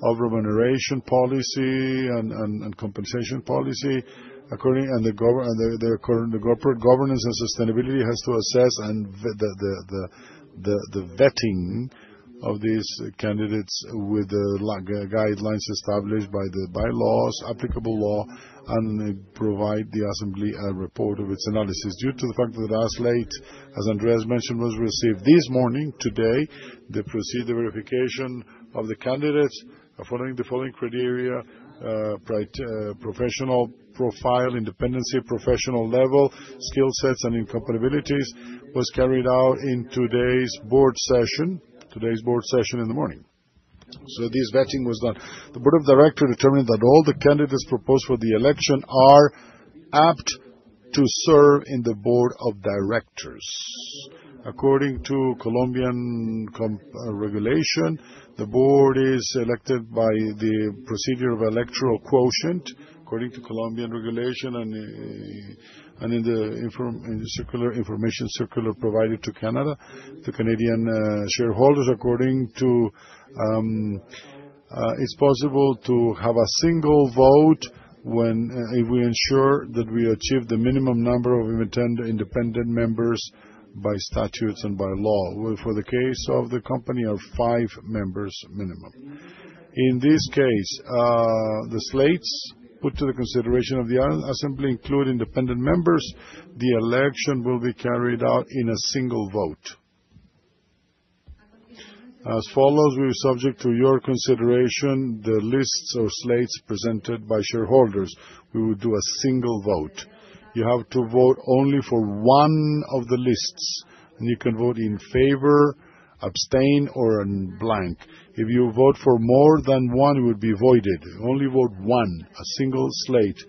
of remuneration policy and compensation policy, and the corporate governance and sustainability has to assess and the vetting of these candidates with guidelines established by laws, applicable law, and provide the assembly a report of its analysis. Due to the fact that the last slate, as Andrés mentioned, was received this morning, today, the procedure verification of the candidates following the criteria: professional profile, independence, professional level, skill sets, and incompatibilities was carried out in today's board session in the morning. So this vetting was done. The board of directors determined that all the candidates proposed for the election are apt to serve in the board of directors. According to Colombian regulation, the board is elected by the procedure of electoral quotient, and in the information circular provided to Canadian shareholders. According to it, it's possible to have a single vote if we ensure that we achieve the minimum number of independent members by statutes and by law. For the case of the company, five members minimum. In this case, the slates put to the consideration of the assembly include independent members. The election will be carried out in a single vote. As follows, we submit to your consideration the lists or slates presented by shareholders. We will do a single vote. You have to vote only for one of the lists, and you can vote in favor, abstain, or blank. If you vote for more than one, it would be voided. Only vote for one, a single slate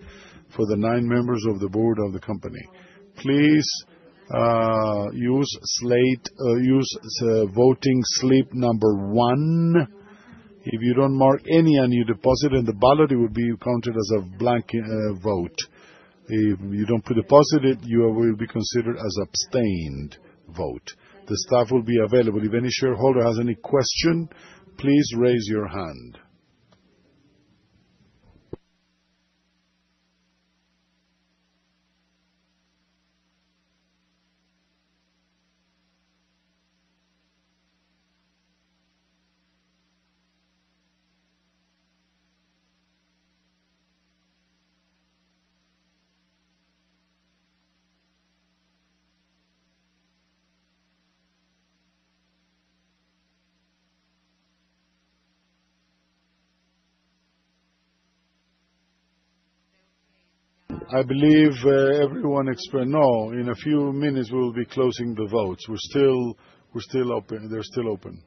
for the nine members of the board of the company. Please use voting slip number one. If you don't mark any and you deposit in the ballot, it would be counted as a blank vote. If you don't deposit it, you will be considered as abstention vote. The staff will be available. If any shareholder has any question, please raise your hand. I believe everyone expects in a few minutes we will be closing the votes. We're still open. They're still open.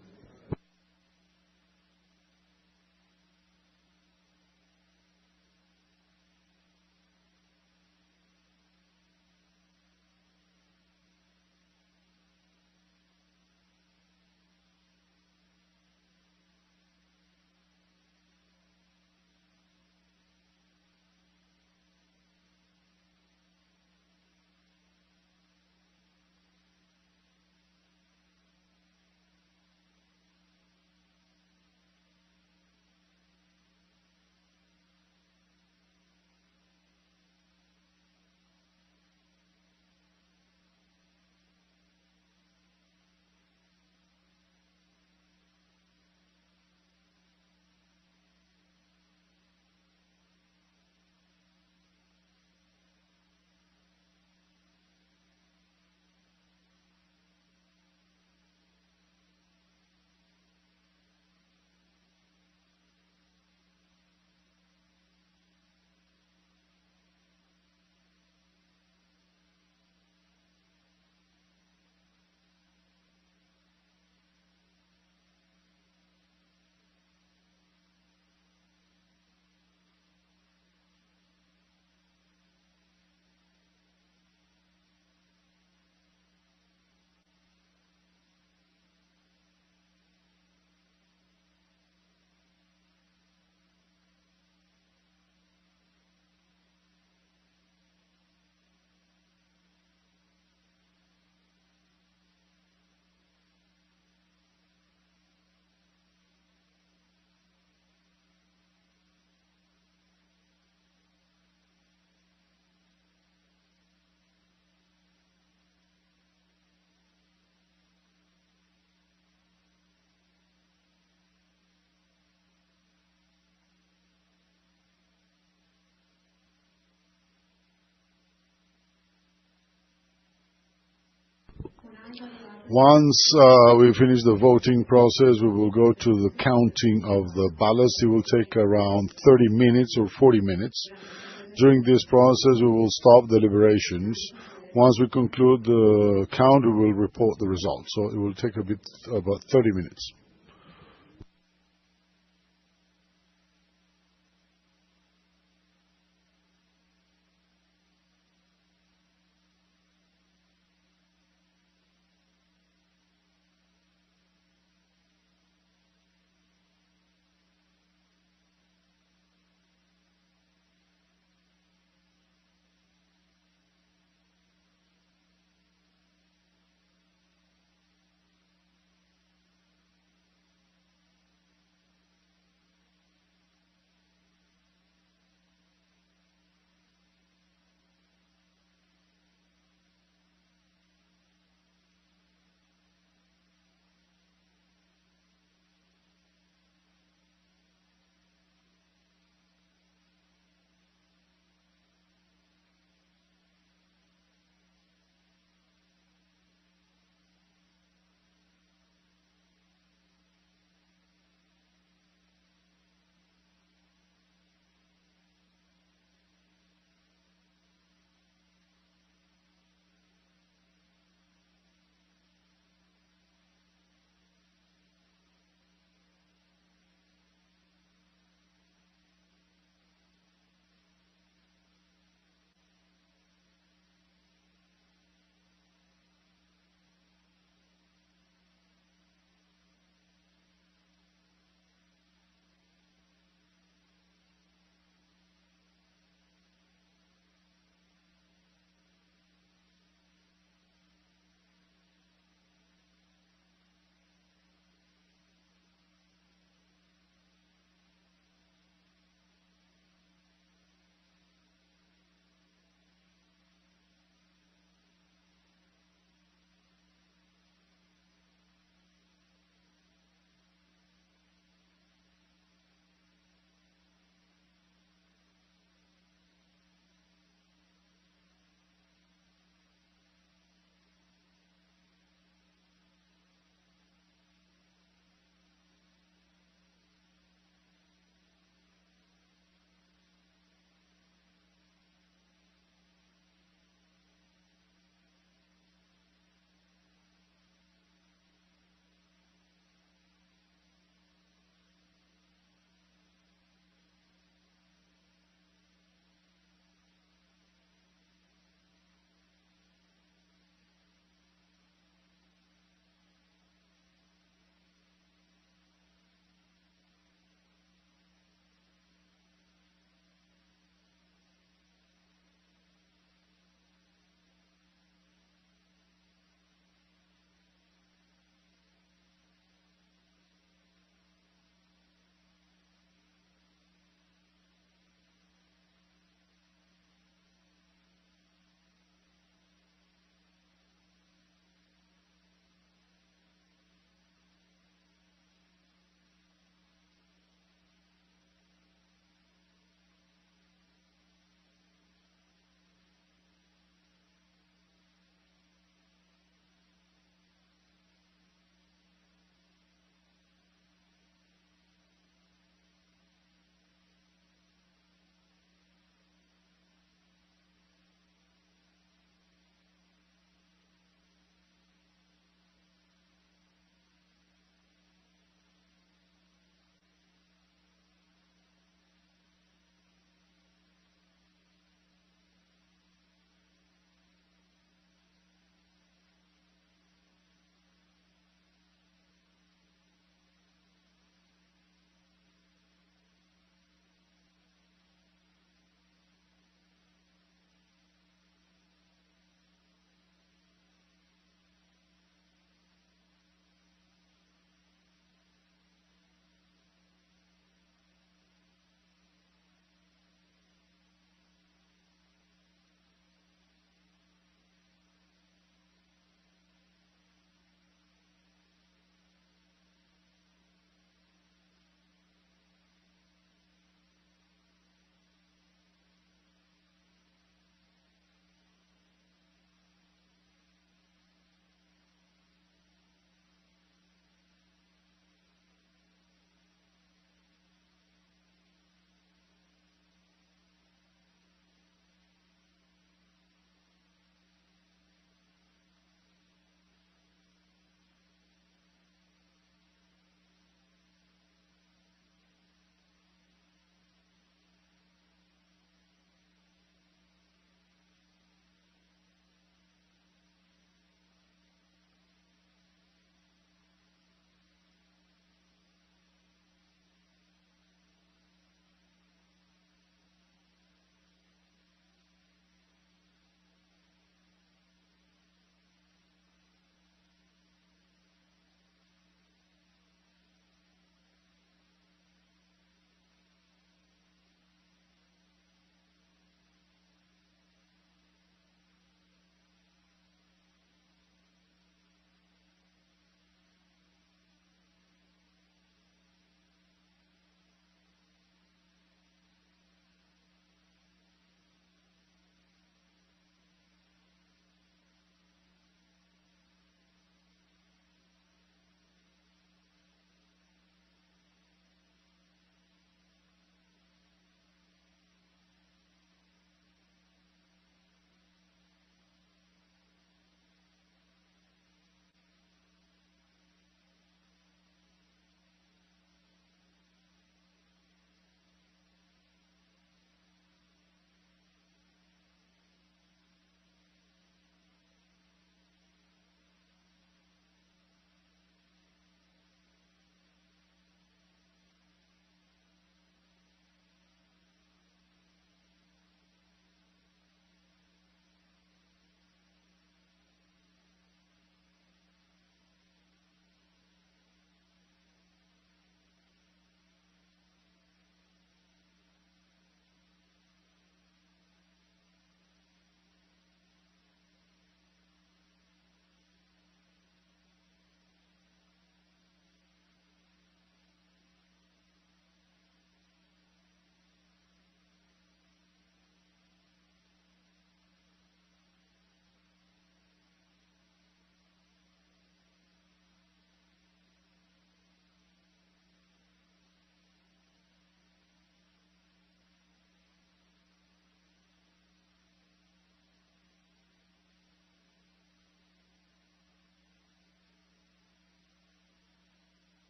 Once we finish the voting process, we will go to the counting of the ballots. It will take around 30 minutes or 40 minutes. During this process, we will stop deliberations. Once we conclude the count, we will report the results. So it will take about 30 minutes.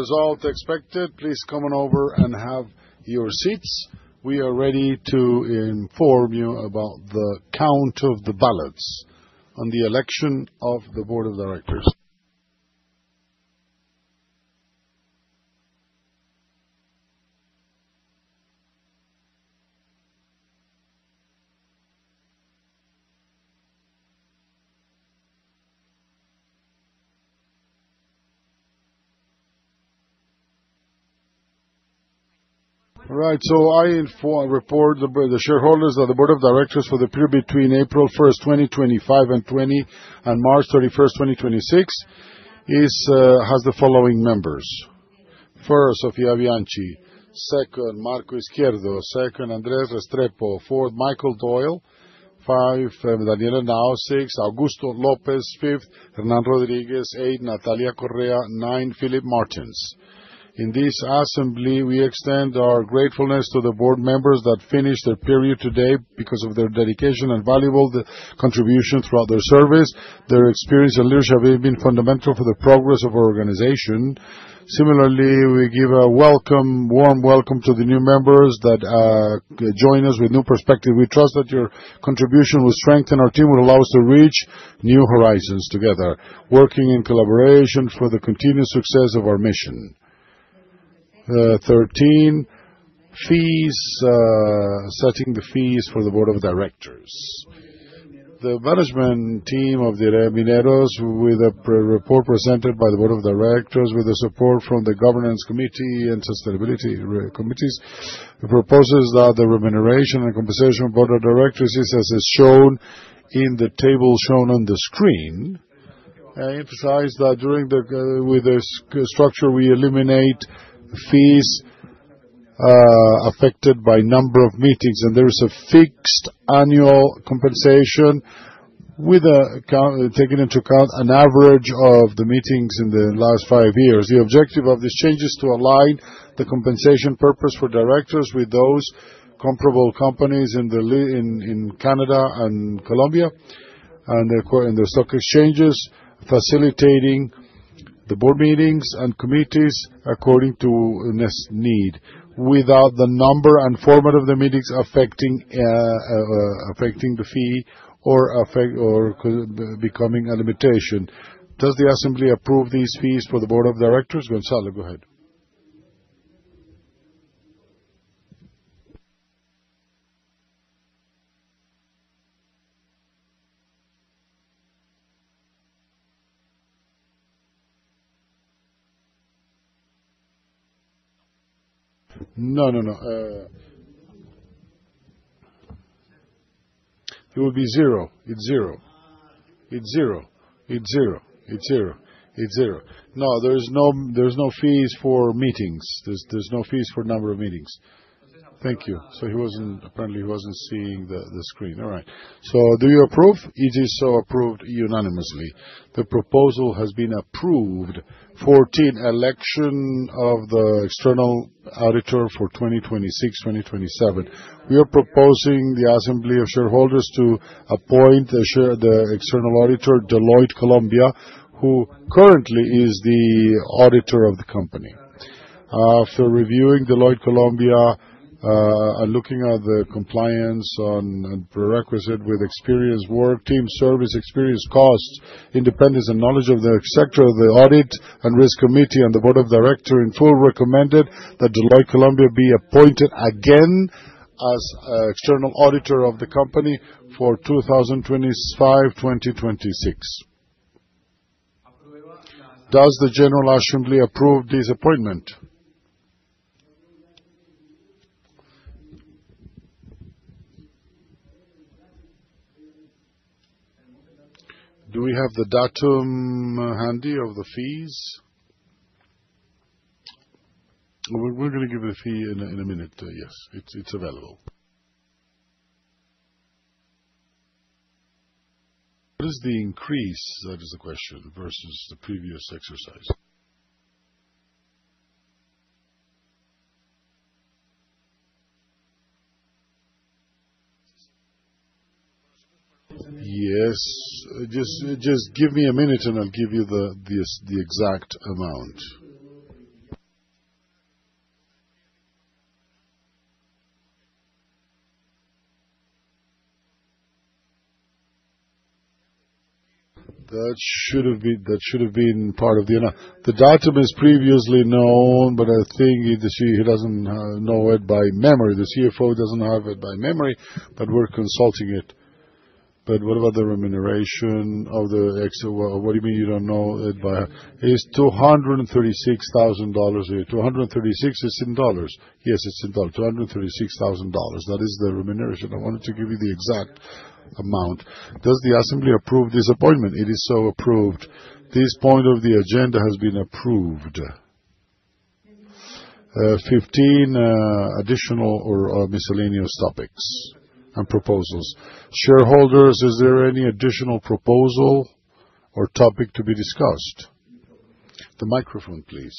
As expected, please come on over and have your seats. We are ready to inform you about the count of the ballots on the election of the Board of Directors. All right, so I report the shareholders of the Board of Directors for the period between April 1, 2025, and March 31, 2026. It has the following members: First, Sofía Bianchi; Second, Marco Izquierdo; Second, Andrés Restrepo; Fourth, Michael Doyle; Fifth, Daniel Henao; Sixth, Augusto López; Fifth, Hernán Rodríguez; Eighth, Natalia Correa; Ninth, Philip Martins. In this assembly, we extend our gratefulness to the board members that finished their period today because of their dedication and valuable contributions throughout their service. Their experience and leadership have been fundamental for the progress of our organization. Similarly, we give a warm welcome to the new members that join us with new perspectives. We trust that your contribution will strengthen our team and allow us to reach new horizons together, working in collaboration for the continued success of our mission. Thirteen, setting the fees for the Board of Directors. The management team of the Mineros, with a report presented by the Board of Directors, with the support from the Governance Committee and Sustainability Committees, proposes that the remuneration and compensation of Board of Directors is, as shown in the table shown on the screen. I emphasize that during the structure, we eliminate fees affected by the number of meetings, and there is a fixed annual compensation taken into account, an average of the meetings in the last five years. The objective of this change is to align the compensation purpose for directors with those comparable companies in Canada and Colombia, and the stock exchanges, facilitating the board meetings and committees according to the need, without the number and format of the meetings affecting the fee or becoming a limitation. Does the assembly approve these fees for the Board of Directors? Gonzalo, go ahead. No, no, no.It would be zero. It's zero. No, there are no fees for meetings. There are no fees for the number of meetings. Thank you. So apparently, he wasn't seeing the screen. All right. So do you approve? It is so approved unanimously. The proposal has been approved. Fourteen, election of the external auditor for 2026, 2027. We are proposing the assembly of shareholders to appoint the external auditor, Deloitte Colombia, who currently is the auditor of the company. After reviewing Deloitte Colombia and looking at the compliance and prerequisite with experience, work, team service, experience, costs, independence, and knowledge of the sector of the audit and risk committee and the Board of Directors, in full recommended that Deloitte Colombia be appointed again as external auditor of the company for 2025, 2026. Does the general assembly approve this appointment? Do we have the data handy of the fees? We're going to give you the fee in a minute. Yes, it's available. What is the increase? That is the question versus the previous exercise. Yes, just give me a minute and I'll give you the exact amount. That should have been part of the data previously known, but I think he doesn't know it by memory. The CFO doesn't have it by memory, but we're consulting it. But what about the remuneration of the executive? What do you mean you don't know it by? It's $236,000. $236,000? Yes, it's $236,000. That is the remuneration. I wanted to give you the exact amount. Does the assembly approve this appointment? It is so approved. This point of the agenda has been approved. Fifteen, additional or miscellaneous topics and proposals. Shareholders, is there any additional proposal or topic to be discussed? The microphone, please.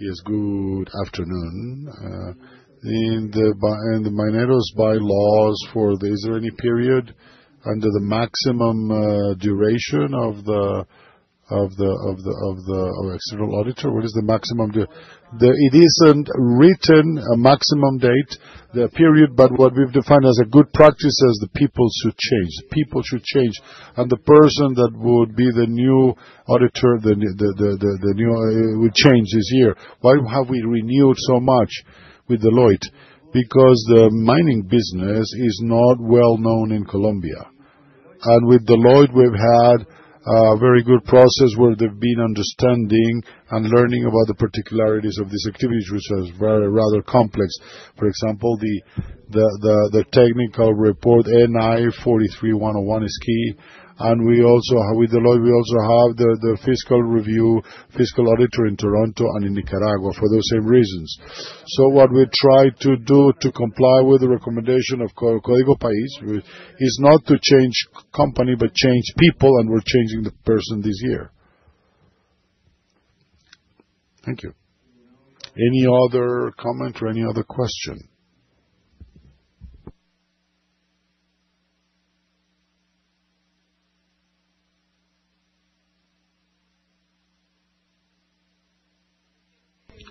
Yes, good afternoon. In the Mineros by-laws for the, is there any period under the maximum duration of the external auditor? What is the maximum? It isn't written a maximum date, the period, but what we've defined as a good practice is the people should change. People should change. And the person that would be the new auditor, the new, would change this year. Why have we renewed so much with Deloitte? Because the mining business is not well known in Colombia. And with Deloitte, we've had a very good process where they've been understanding and learning about the particularities of these activities, which are rather complex. For example, the technical report NI 43-101 is key. And with Deloitte, we also have the fiscal review, fiscal auditor in Toronto and in Nicaragua for those same reasons. So what we try to do to comply with the recommendation of Código País is not to change company, but change people, and we're changing the person this year. Thank you. Any other comment or any other question?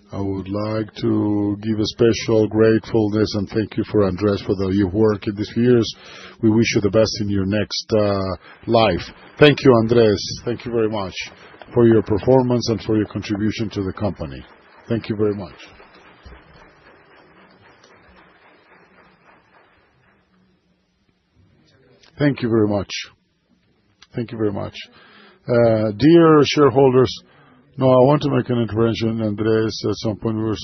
I would like to give a special gratefulness and thank you for Andrés for your work in these few years. We wish you the best in your next life. Thank you, Andrés. Thank you very much for your performance and for your contribution to the company. Thank you very much. Thank you very much. Thank you very much. Dear shareholders, no, I want to make an intervention, Andrés. At some point, we were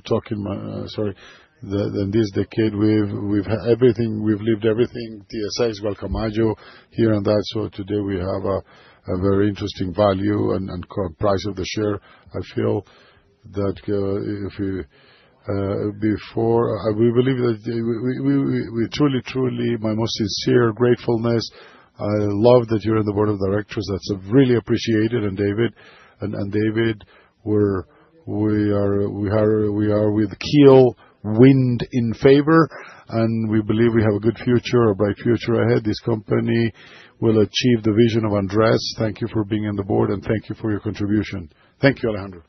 talking, sorry, in this decade, we've lived everything, TSX, Gualcamayo, here and that. So today, we have a very interesting value and price of the share. My most sincere gratefulness. I love that you're in the Board of Directors. That's really appreciated. And David, we are with you. We'll win in favor, and we believe we have a good future, a bright future ahead. This company will achieve the vision of Andrés. Thank you for being on the board, and thank you for your contribution. Thank you, Alejandro.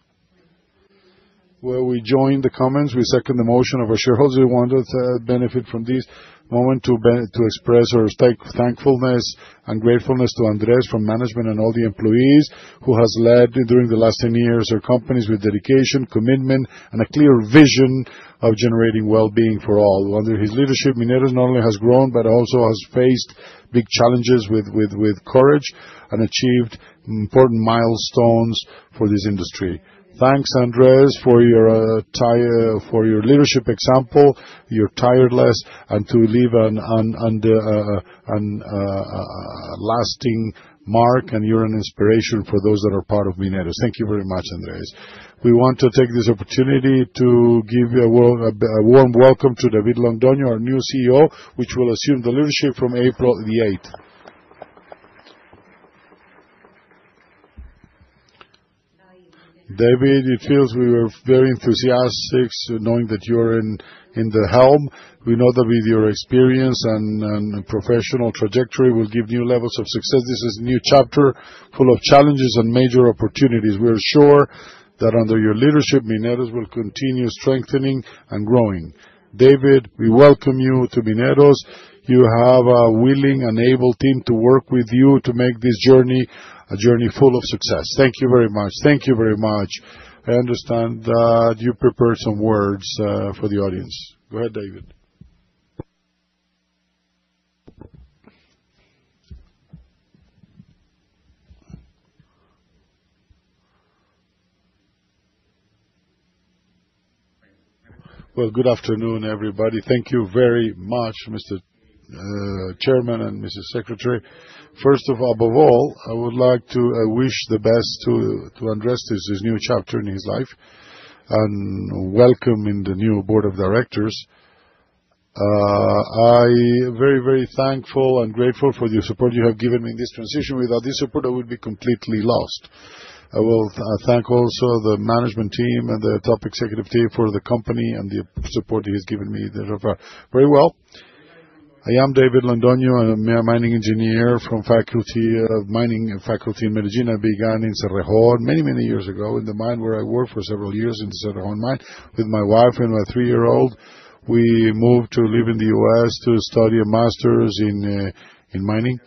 We join the comments. We second the motion of our shareholders. We want to benefit from this moment to express our thankfulness and gratefulness to Andrés from management and all the employees who has led during the last 10 years our companies with dedication, commitment, and a clear vision of generating well-being for all. Under his leadership, Mineros not only has grown but also has faced big challenges with courage and achieved important milestones for this industry. Thanks, Andrés, for your leadership example, your tireless, and to leave a lasting mark, and you're an inspiration for those that are part of Mineros. Thank you very much, Andrés. We want to take this opportunity to give a warm welcome to David Londoño, our new CEO, which will assume the leadership from April 8th. David, it feels we were very enthusiastic knowing that you're in the helm. We know that with your experience and professional trajectory, we'll give new levels of success. This is a new chapter full of challenges and major opportunities. We are sure that under your leadership, Mineros will continue strengthening and growing. David, we welcome you to Mineros. You have a willing and able team to work with you to make this journey a journey full of success. Thank you very much. Thank you very much. I understand that you prepared some words for the audience. Go ahead, David. Well, good afternoon, everybody. Thank you very much, Mr. Chairman and Mr. Secretary. First of all, I would like to wish the best to Andrés as a new chapter in his life and welcome in the new Board of Directors. I am very, very thankful and grateful for the support you have given me in this transition. Without this support, I would be completely lost. I will thank also the management team and the top executive team for the company and the support he has given me. Very well. I am David Londoño, a mining engineer from Mining Faculty in Medellín. I began in Cerrejón many, many years ago in the mine where I worked for several years in the Cerrejón mine with my wife and my three-year-old. We moved to live in the U.S. to study a master's in mining,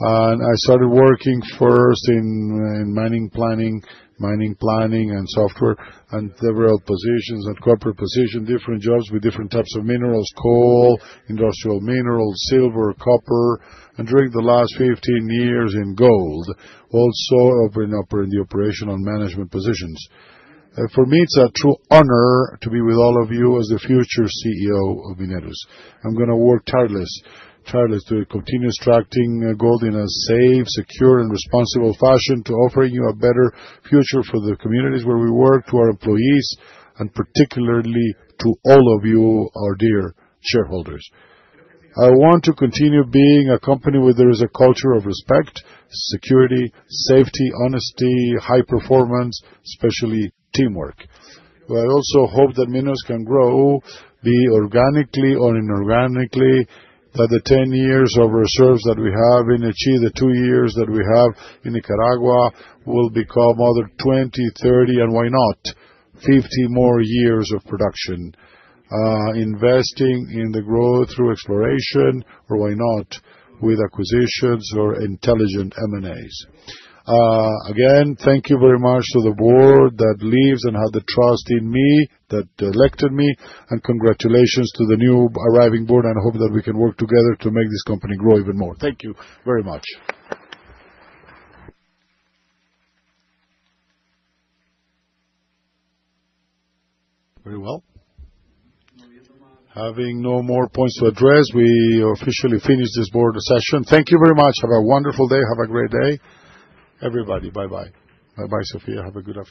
and I started working first in mining planning, mining planning, and software, and several positions and corporate positions, different jobs with different types of minerals: coal, industrial minerals, silver, copper, and during the last 15 years in gold. Also in operational management positions. For me, it's a true honor to be with all of you as the future CEO of Mineros. I'm going to work tirelessly to continue extracting gold in a safe, secure, and responsible fashion, to offer you a better future for the communities where we work, to our employees, and particularly to all of you, our dear shareholders. I want to continue being a company where there is a culture of respect, security, safety, honesty, high performance, especially teamwork. I also hope that Mineros can grow, either organically or inorganically, that the 10 years of reserves that we have and the two years that we have in Nicaragua will become other 20, 30, and why not, 50 more years of production, investing in the growth through exploration, or why not, with acquisitions or intelligent M&As. Again, thank you very much to the board that leaves and had the trust in me that elected me, and congratulations to the new arriving board. I hope that we can work together to make this company grow even more. Thank you very much. Very well. Having no more points to address, we officially finish this board session. Thank you very much. Have a wonderful day. Have a great day. Everybody, bye-bye. Bye-bye, Sofía. Have a good one.